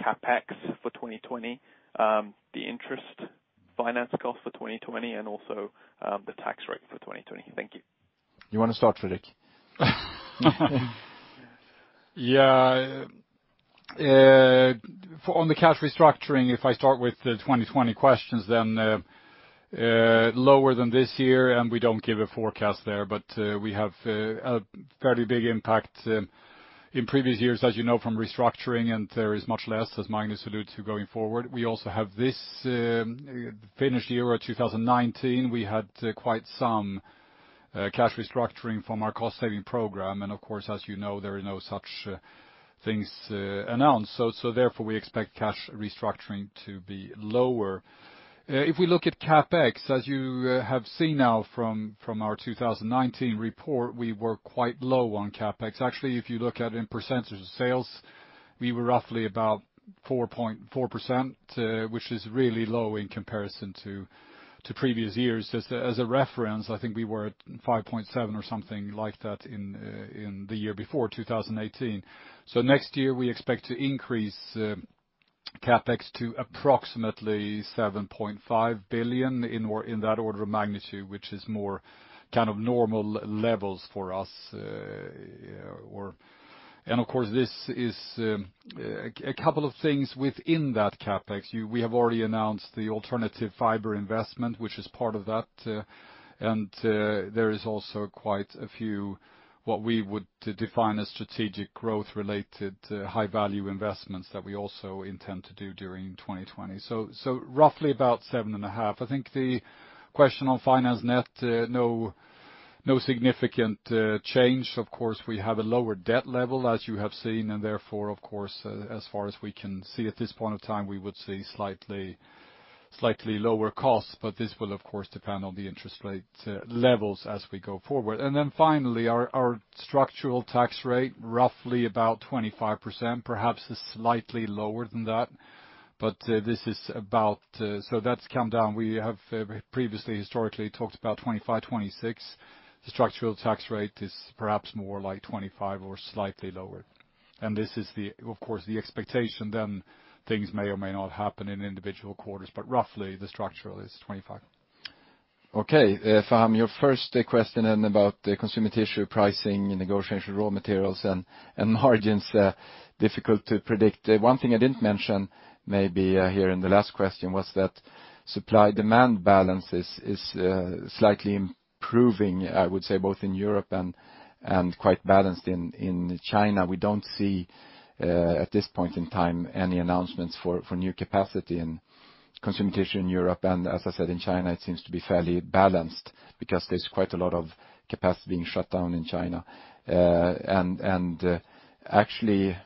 CapEx for 2020, the interest finance cost for 2020, and also the tax rate for 2020? Thank you. You want to start, Fredrik? Yeah. On the cash restructuring, if I start with the 2020 questions, lower than this year. We don't give a forecast there. We have a fairly big impact in previous years, as you know, from restructuring. There is much less, as Magnus alluded to, going forward. We also have this finished year of 2019. We had quite some cash restructuring from our cost-saving program. Of course, as you know, there are no such things announced. Therefore, we expect cash restructuring to be lower. If we look at CapEx, as you have seen now from our 2019 report, we were quite low on CapEx. Actually, if you look at in percentage of sales, we were roughly about 4.4%, which is really low in comparison to previous years. As a reference, I think we were at 5.7% or something like that in the year before 2018. Next year, we expect to increase CapEx to approximately 7.5 billion in that order of magnitude, which is more normal levels for us. Of course, this is a couple of things within that CapEx. We have already announced the alternative fiber investment, which is part of that, and there is also quite a few, what we would define as strategic growth-related high-value investments that we also intend to do during 2020. Roughly about 7.5 billion. I think the question on finance net, no significant change. We have a lower debt level as you have seen, and therefore, of course, as far as we can see at this point in time, we would see slightly lower costs, but this will, of course, depend on the interest rate levels as we go forward. Finally our structural tax rate, roughly about 25%, perhaps is slightly lower than that. That's come down. We have previously historically talked about 25%-26%. The structural tax rate is perhaps more like 25% or slightly lower. This is of course the expectation then things may or may not happen in individual quarters, but roughly the structural is 25%. Okay. Faham, your first question about consumer tissue pricing, negotiation of raw materials, and margins, difficult to predict. One thing I didn't mention maybe here in the last question was that supply-demand balance is slightly improving, I would say, both in Europe and quite balanced in China. We don't see at this point in time any announcements for new capacity in consumer tissue in Europe. As I said, in China, it seems to be fairly balanced because there's quite a lot of capacity being shut down in China. Actually,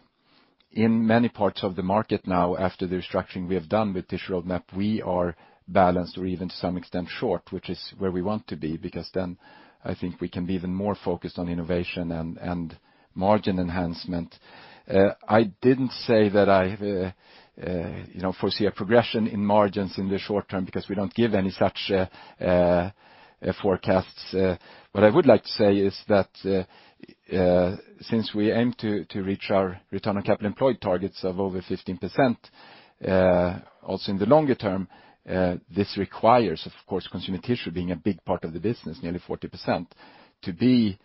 in many parts of the market now, after the restructuring we have done with Tissue Roadmap, we are balanced or even to some extent short, which is where we want to be, because then I think we can be even more focused on innovation and margin enhancement. I didn't say that I foresee a progression in margins in the short term because we don't give any such forecasts. What I would like to say is that since we aim to reach our return on capital employed targets of over 15% also in the longer term, this requires, of course, consumer tissue being a big part of the business, nearly 40%, to be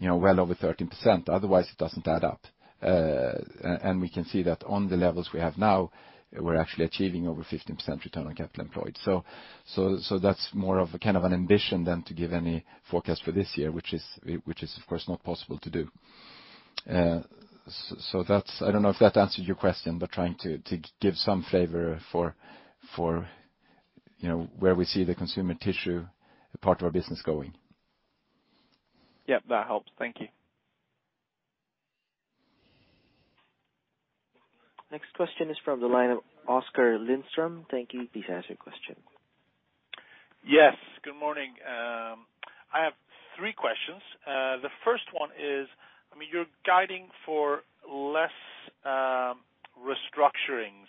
well over 13%. Otherwise, it doesn't add up. We can see that on the levels we have now, we're actually achieving over 15% return on capital employed. That's more of a kind of an ambition than to give any forecast for this year, which is of course not possible to do. I don't know if that answered your question, but trying to give some flavor for where we see the consumer tissue part of our business going. Yep, that helps. Thank you. Next question is from the line of Oskar Lindström. Thank you. Please ask your question. Yes, good morning. I have three questions. The first one is, you're guiding for less restructurings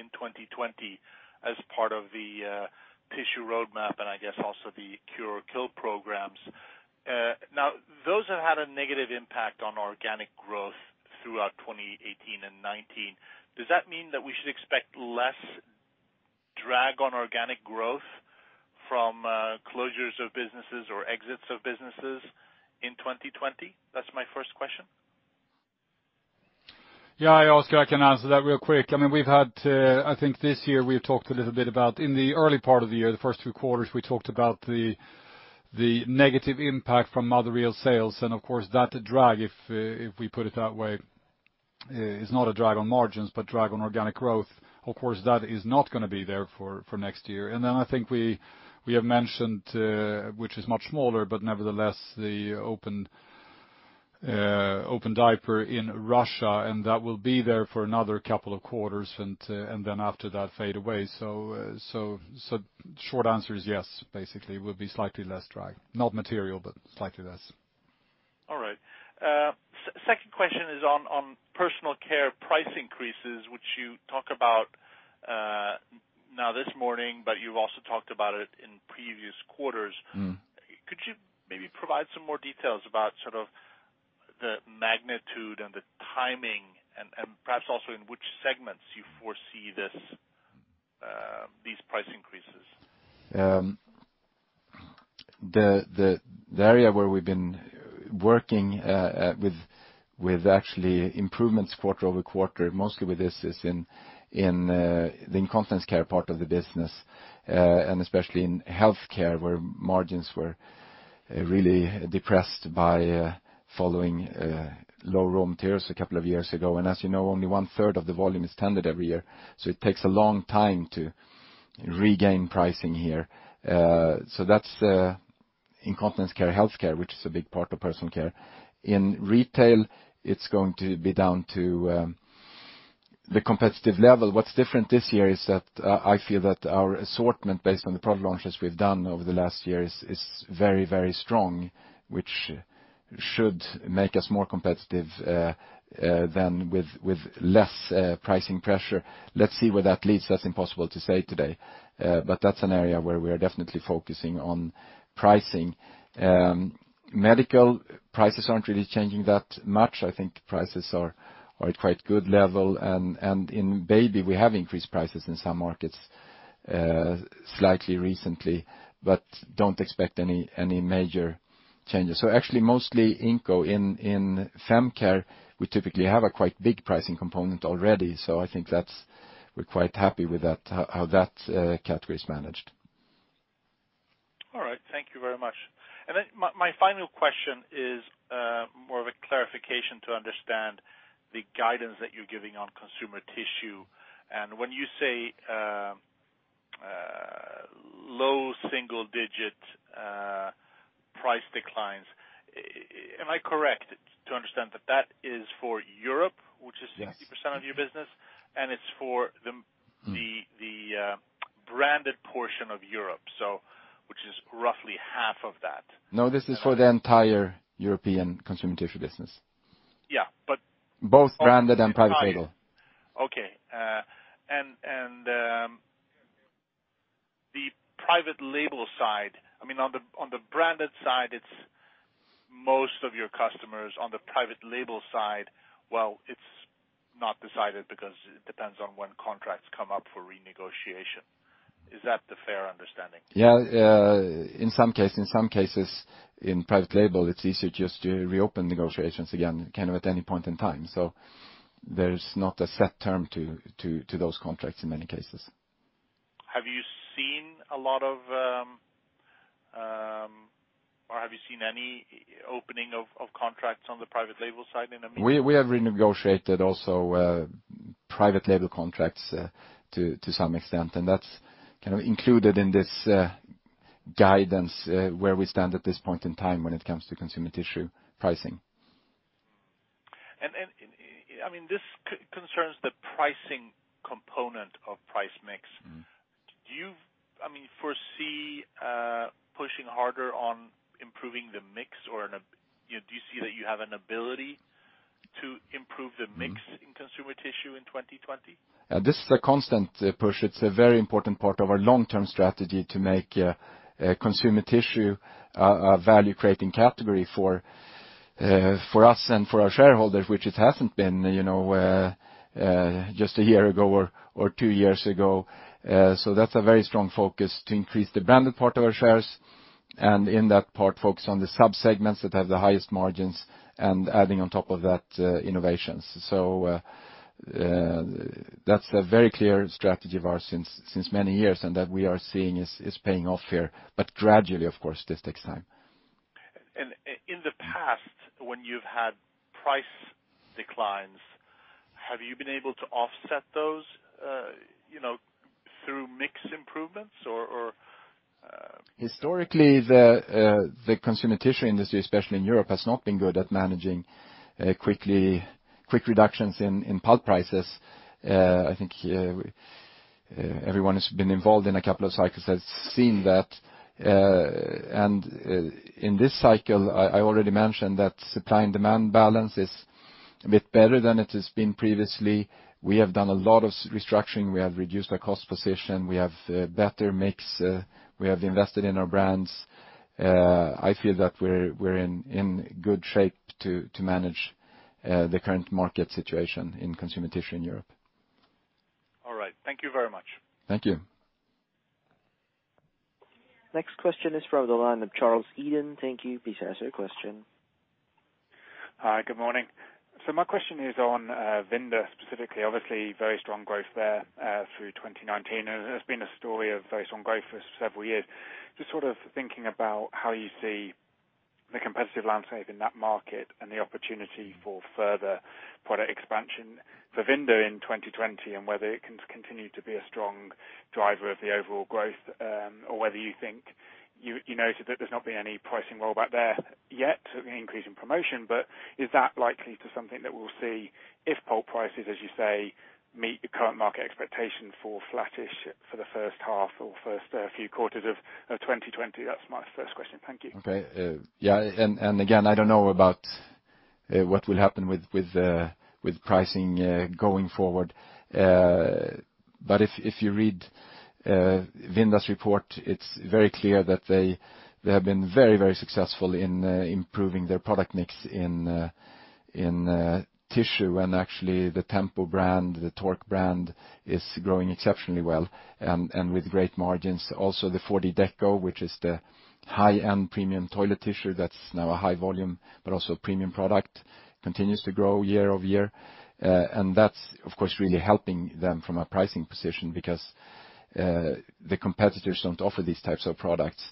in 2020 as part of the Tissue Roadmap, and I guess also the Cure or Kill programs. Those have had a negative impact on organic growth throughout 2018 and 2019. Does that mean that we should expect less drag on organic growth from closures of businesses or exits of businesses in 2020? That's my first question. Yeah. Oskar, I can answer that real quick. I think this year we've talked a little bit about in the early part of the year, the first two quarters, we talked about the negative impact from materials sales, and of course, that drag, if we put it that way, is not a drag on margins, but drag on organic growth. Of course, that is not going to be there for next year. Then I think we have mentioned, which is much smaller, but nevertheless the open diaper in Russia, and that will be there for another couple of quarters, and then after that fade away. Short answer is yes, basically, will be slightly less drag. Not material, but slightly less. All right. Second question is on personal care price increases, which you talk about now this morning, but you've also talked about it in previous quarters. Could you maybe provide some more details about sort of the magnitude and the timing and perhaps also in which segments you foresee these price increases? The area where we've been working with actually improvements quarter-over-quarter, mostly with this is in the Incontinence part of the business, and especially in healthcare, where margins were really depressed by following low materials a couple of years ago. As you know, only one-third of the volume is TENA every year. It takes a long time to regain pricing here. That's the Incontinence healthcare, which is a big part of Personal Care. In retail, it's going to be down to the competitive level. What's different this year is that I feel that our assortment based on the product launches we've done over the last year is very strong, which should make us more competitive than with less pricing pressure. Let's see where that leads. That's impossible to say today. That's an area where we are definitely focusing on pricing. Medical prices aren't really changing that much. I think prices are at quite good level, and in baby, we have increased prices in some markets slightly recently, but don't expect any major changes. Actually mostly Incontinence in Femcare, we typically have a quite big pricing component already. I think we're quite happy with how that category is managed. All right. Thank you very much. My final question is more of a clarification to understand the guidance that you're giving on consumer tissue. When you say low single-digit price declines, am I correct to understand that that is for Europe? Yes. Which is 60% of your business. branded portion of Europe, which is roughly half of that. No, this is for the entire European consumer tissue business. Yeah, but- Both branded and private label. Okay. The private label side, on the branded side, it's most of your customers. On the private label side, well, it's not decided because it depends on when contracts come up for renegotiation. Is that the fair understanding? In some cases, in private label, it's easier just to reopen negotiations again, kind of at any point in time. There's not a set term to those contracts in many cases. Have you seen any opening of contracts on the private label side? We have renegotiated also private label contracts to some extent, and that's kind of included in this Guidance where we stand at this point in time when it comes to consumer tissue pricing. This concerns the pricing component of price mix. Do you foresee pushing harder on improving the mix, or do you see that you have an ability to improve the mix? in consumer tissue in 2020? This is a constant push. It's a very important part of our long-term strategy to make consumer tissue a value-creating category for us and for our shareholders, which it hasn't been just a year ago or two years ago. That's a very strong focus to increase the branded part of our shares, and in that part, focus on the sub-segments that have the highest margins, and adding on top of that, innovations. That's a very clear strategy of ours since many years, and that we are seeing is paying off here, but gradually, of course. This takes time. In the past, when you've had price declines, have you been able to offset those through mix improvements or? Historically, the consumer tissue industry, especially in Europe, has not been good at managing quick reductions in pulp prices. I think everyone that's been involved in a couple of cycles has seen that. In this cycle, I already mentioned that supply and demand balance is a bit better than it has been previously. We have done a lot of restructuring. We have reduced our cost position. We have better mix. We have invested in our brands. I feel that we're in good shape to manage the current market situation in consumer tissue in Europe. All right. Thank you very much. Thank you. Next question is from the line of Charles Eden. Thank you. Please ask your question. Hi, good morning. My question is on Vinda specifically. Obviously very strong growth there through 2019, and it has been a story of very strong growth for several years. Just sort of thinking about how you see the competitive landscape in that market and the opportunity for further product expansion for Vinda in 2020, and whether it can continue to be a strong driver of the overall growth. You noted that there's not been any pricing rollback there yet, certainly increase in promotion, but is that likely to something that we'll see if pulp prices, as you say, meet the current market expectation for flattish for the first half or first few quarters of 2020? That's my first question. Thank you. Okay. Yeah, again, I don't know about what will happen with pricing going forward. If you read Vinda's report, it's very clear that they have been very successful in improving their product mix in tissue. Actually, the Tempo brand, the Tork brand, is growing exceptionally well and with great margins. Also, the 4D Deco, which is the high-end premium toilet tissue that's now a high volume but also a premium product, continues to grow year-over-year. That's, of course, really helping them from a pricing position because the competitors don't offer these types of products.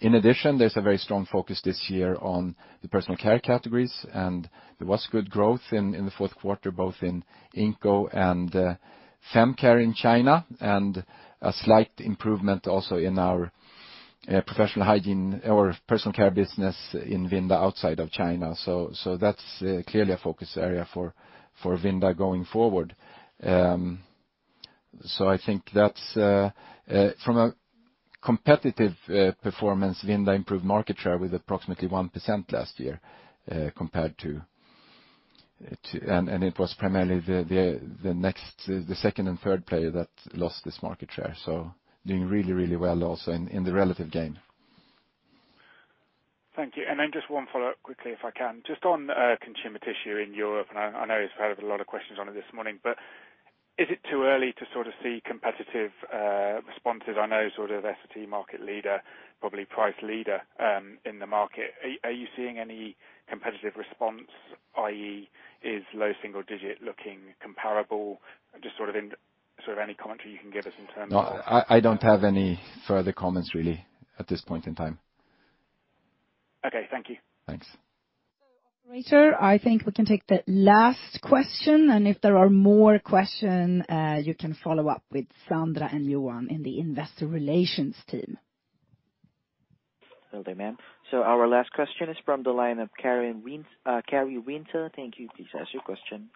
In addition, there's a very strong focus this year on the personal care categories, and there was good growth in the fourth quarter, both in Incontinence and FemCare in China, and a slight improvement also in our professional hygiene or personal care business in Vinda outside of China. That's clearly a focus area for Vinda going forward. I think that from a competitive performance, Vinda improved market share with approximately 1% last year. It was primarily the second and third player that lost this market share, so doing really well also in the relative game. Thank you. Then just one follow-up quickly, if I can. Just on consumer tissue in Europe, and I know you've had a lot of questions on it this morning, but is it too early to sort of see competitive responses? I know Essity market leader, probably price leader in the market. Are you seeing any competitive response, i.e., is low single digit looking comparable? Just any commentary you can give us in terms of- No, I don't have any further comments really at this point in time. Okay. Thank you. Thanks. Operator, I think we can take the last question, and if there are more question, you can follow up with Sandra and Johan in the investor relations team. Will do, ma'am. Our last question is from the line of Karri Rinta. Thank you. Please ask your question.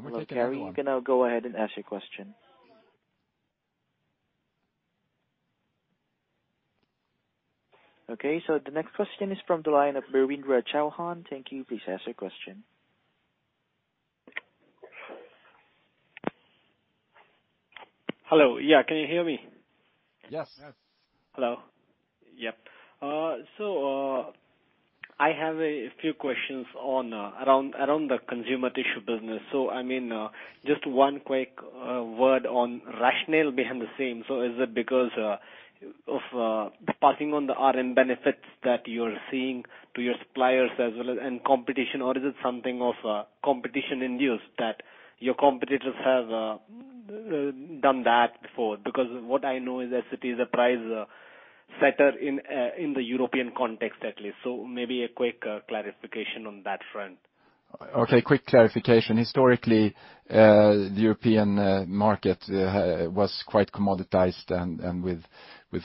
We take another one. Hello, Karri, you can now go ahead and ask your question. Okay, the next question is from the line of Iain Simpson. Thank you. Please ask your question. Hello. Yeah, can you hear me? Yes. Yes. Hello. Yep. I have a few questions around the consumer tissue business. Just one quick word on rationale behind the same. Is it because of passing on the RM benefits that you're seeing to your suppliers as well and competition, or is it something of competition induced that your competitors have done that before? What I know is Essity, the price better in the European context, at least. Maybe a quick clarification on that front. Okay, quick clarification. Historically, the European market was quite commoditized and with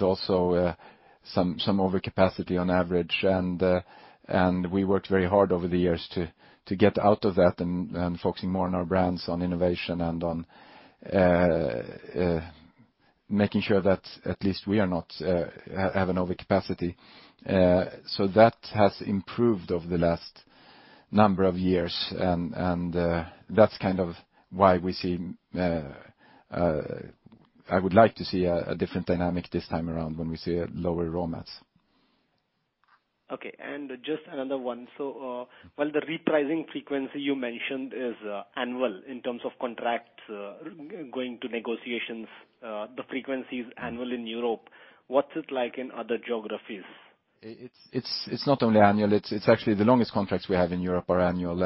also some overcapacity on average. We worked very hard over the years to get out of that and focusing more on our brands, on innovation and on making sure that at least we are not have an overcapacity. That has improved over the last number of years, and that's kind of why I would like to see a different dynamic this time around when we see lower raw mats. Okay. Just another one. While the repricing frequency you mentioned is annual in terms of contracts going to negotiations, the frequency is annual in Europe, what's it like in other geographies? It's not only annual, it's actually the longest contracts we have in Europe are annual.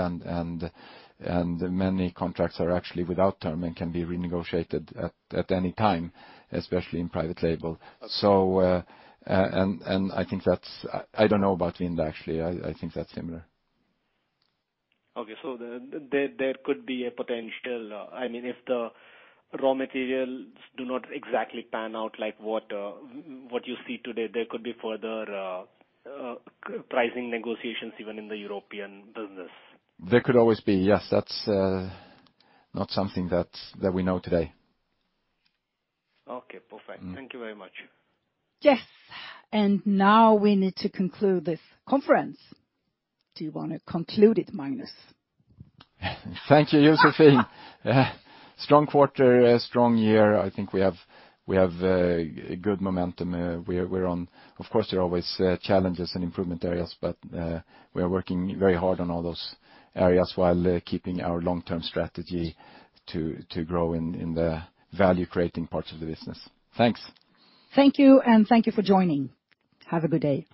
Many contracts are actually without term and can be renegotiated at any time, especially in private label. I don't know about Vinda actually. I think that's similar. Okay. There could be a potential, if the raw materials do not exactly pan out like what you see today, there could be further pricing negotiations even in the European business. There could always be, yes. That's not something that we know today. Okay, perfect. Thank you very much. Yes. Now we need to conclude this conference. Do you want to conclude it, Magnus? Thank you, Joséphine. Strong quarter, strong year. I think we have a good momentum. Of course, there are always challenges and improvement areas, but we are working very hard on all those areas while keeping our long-term strategy to grow in the value-creating parts of the business. Thanks. Thank you, and thank you for joining. Have a good day.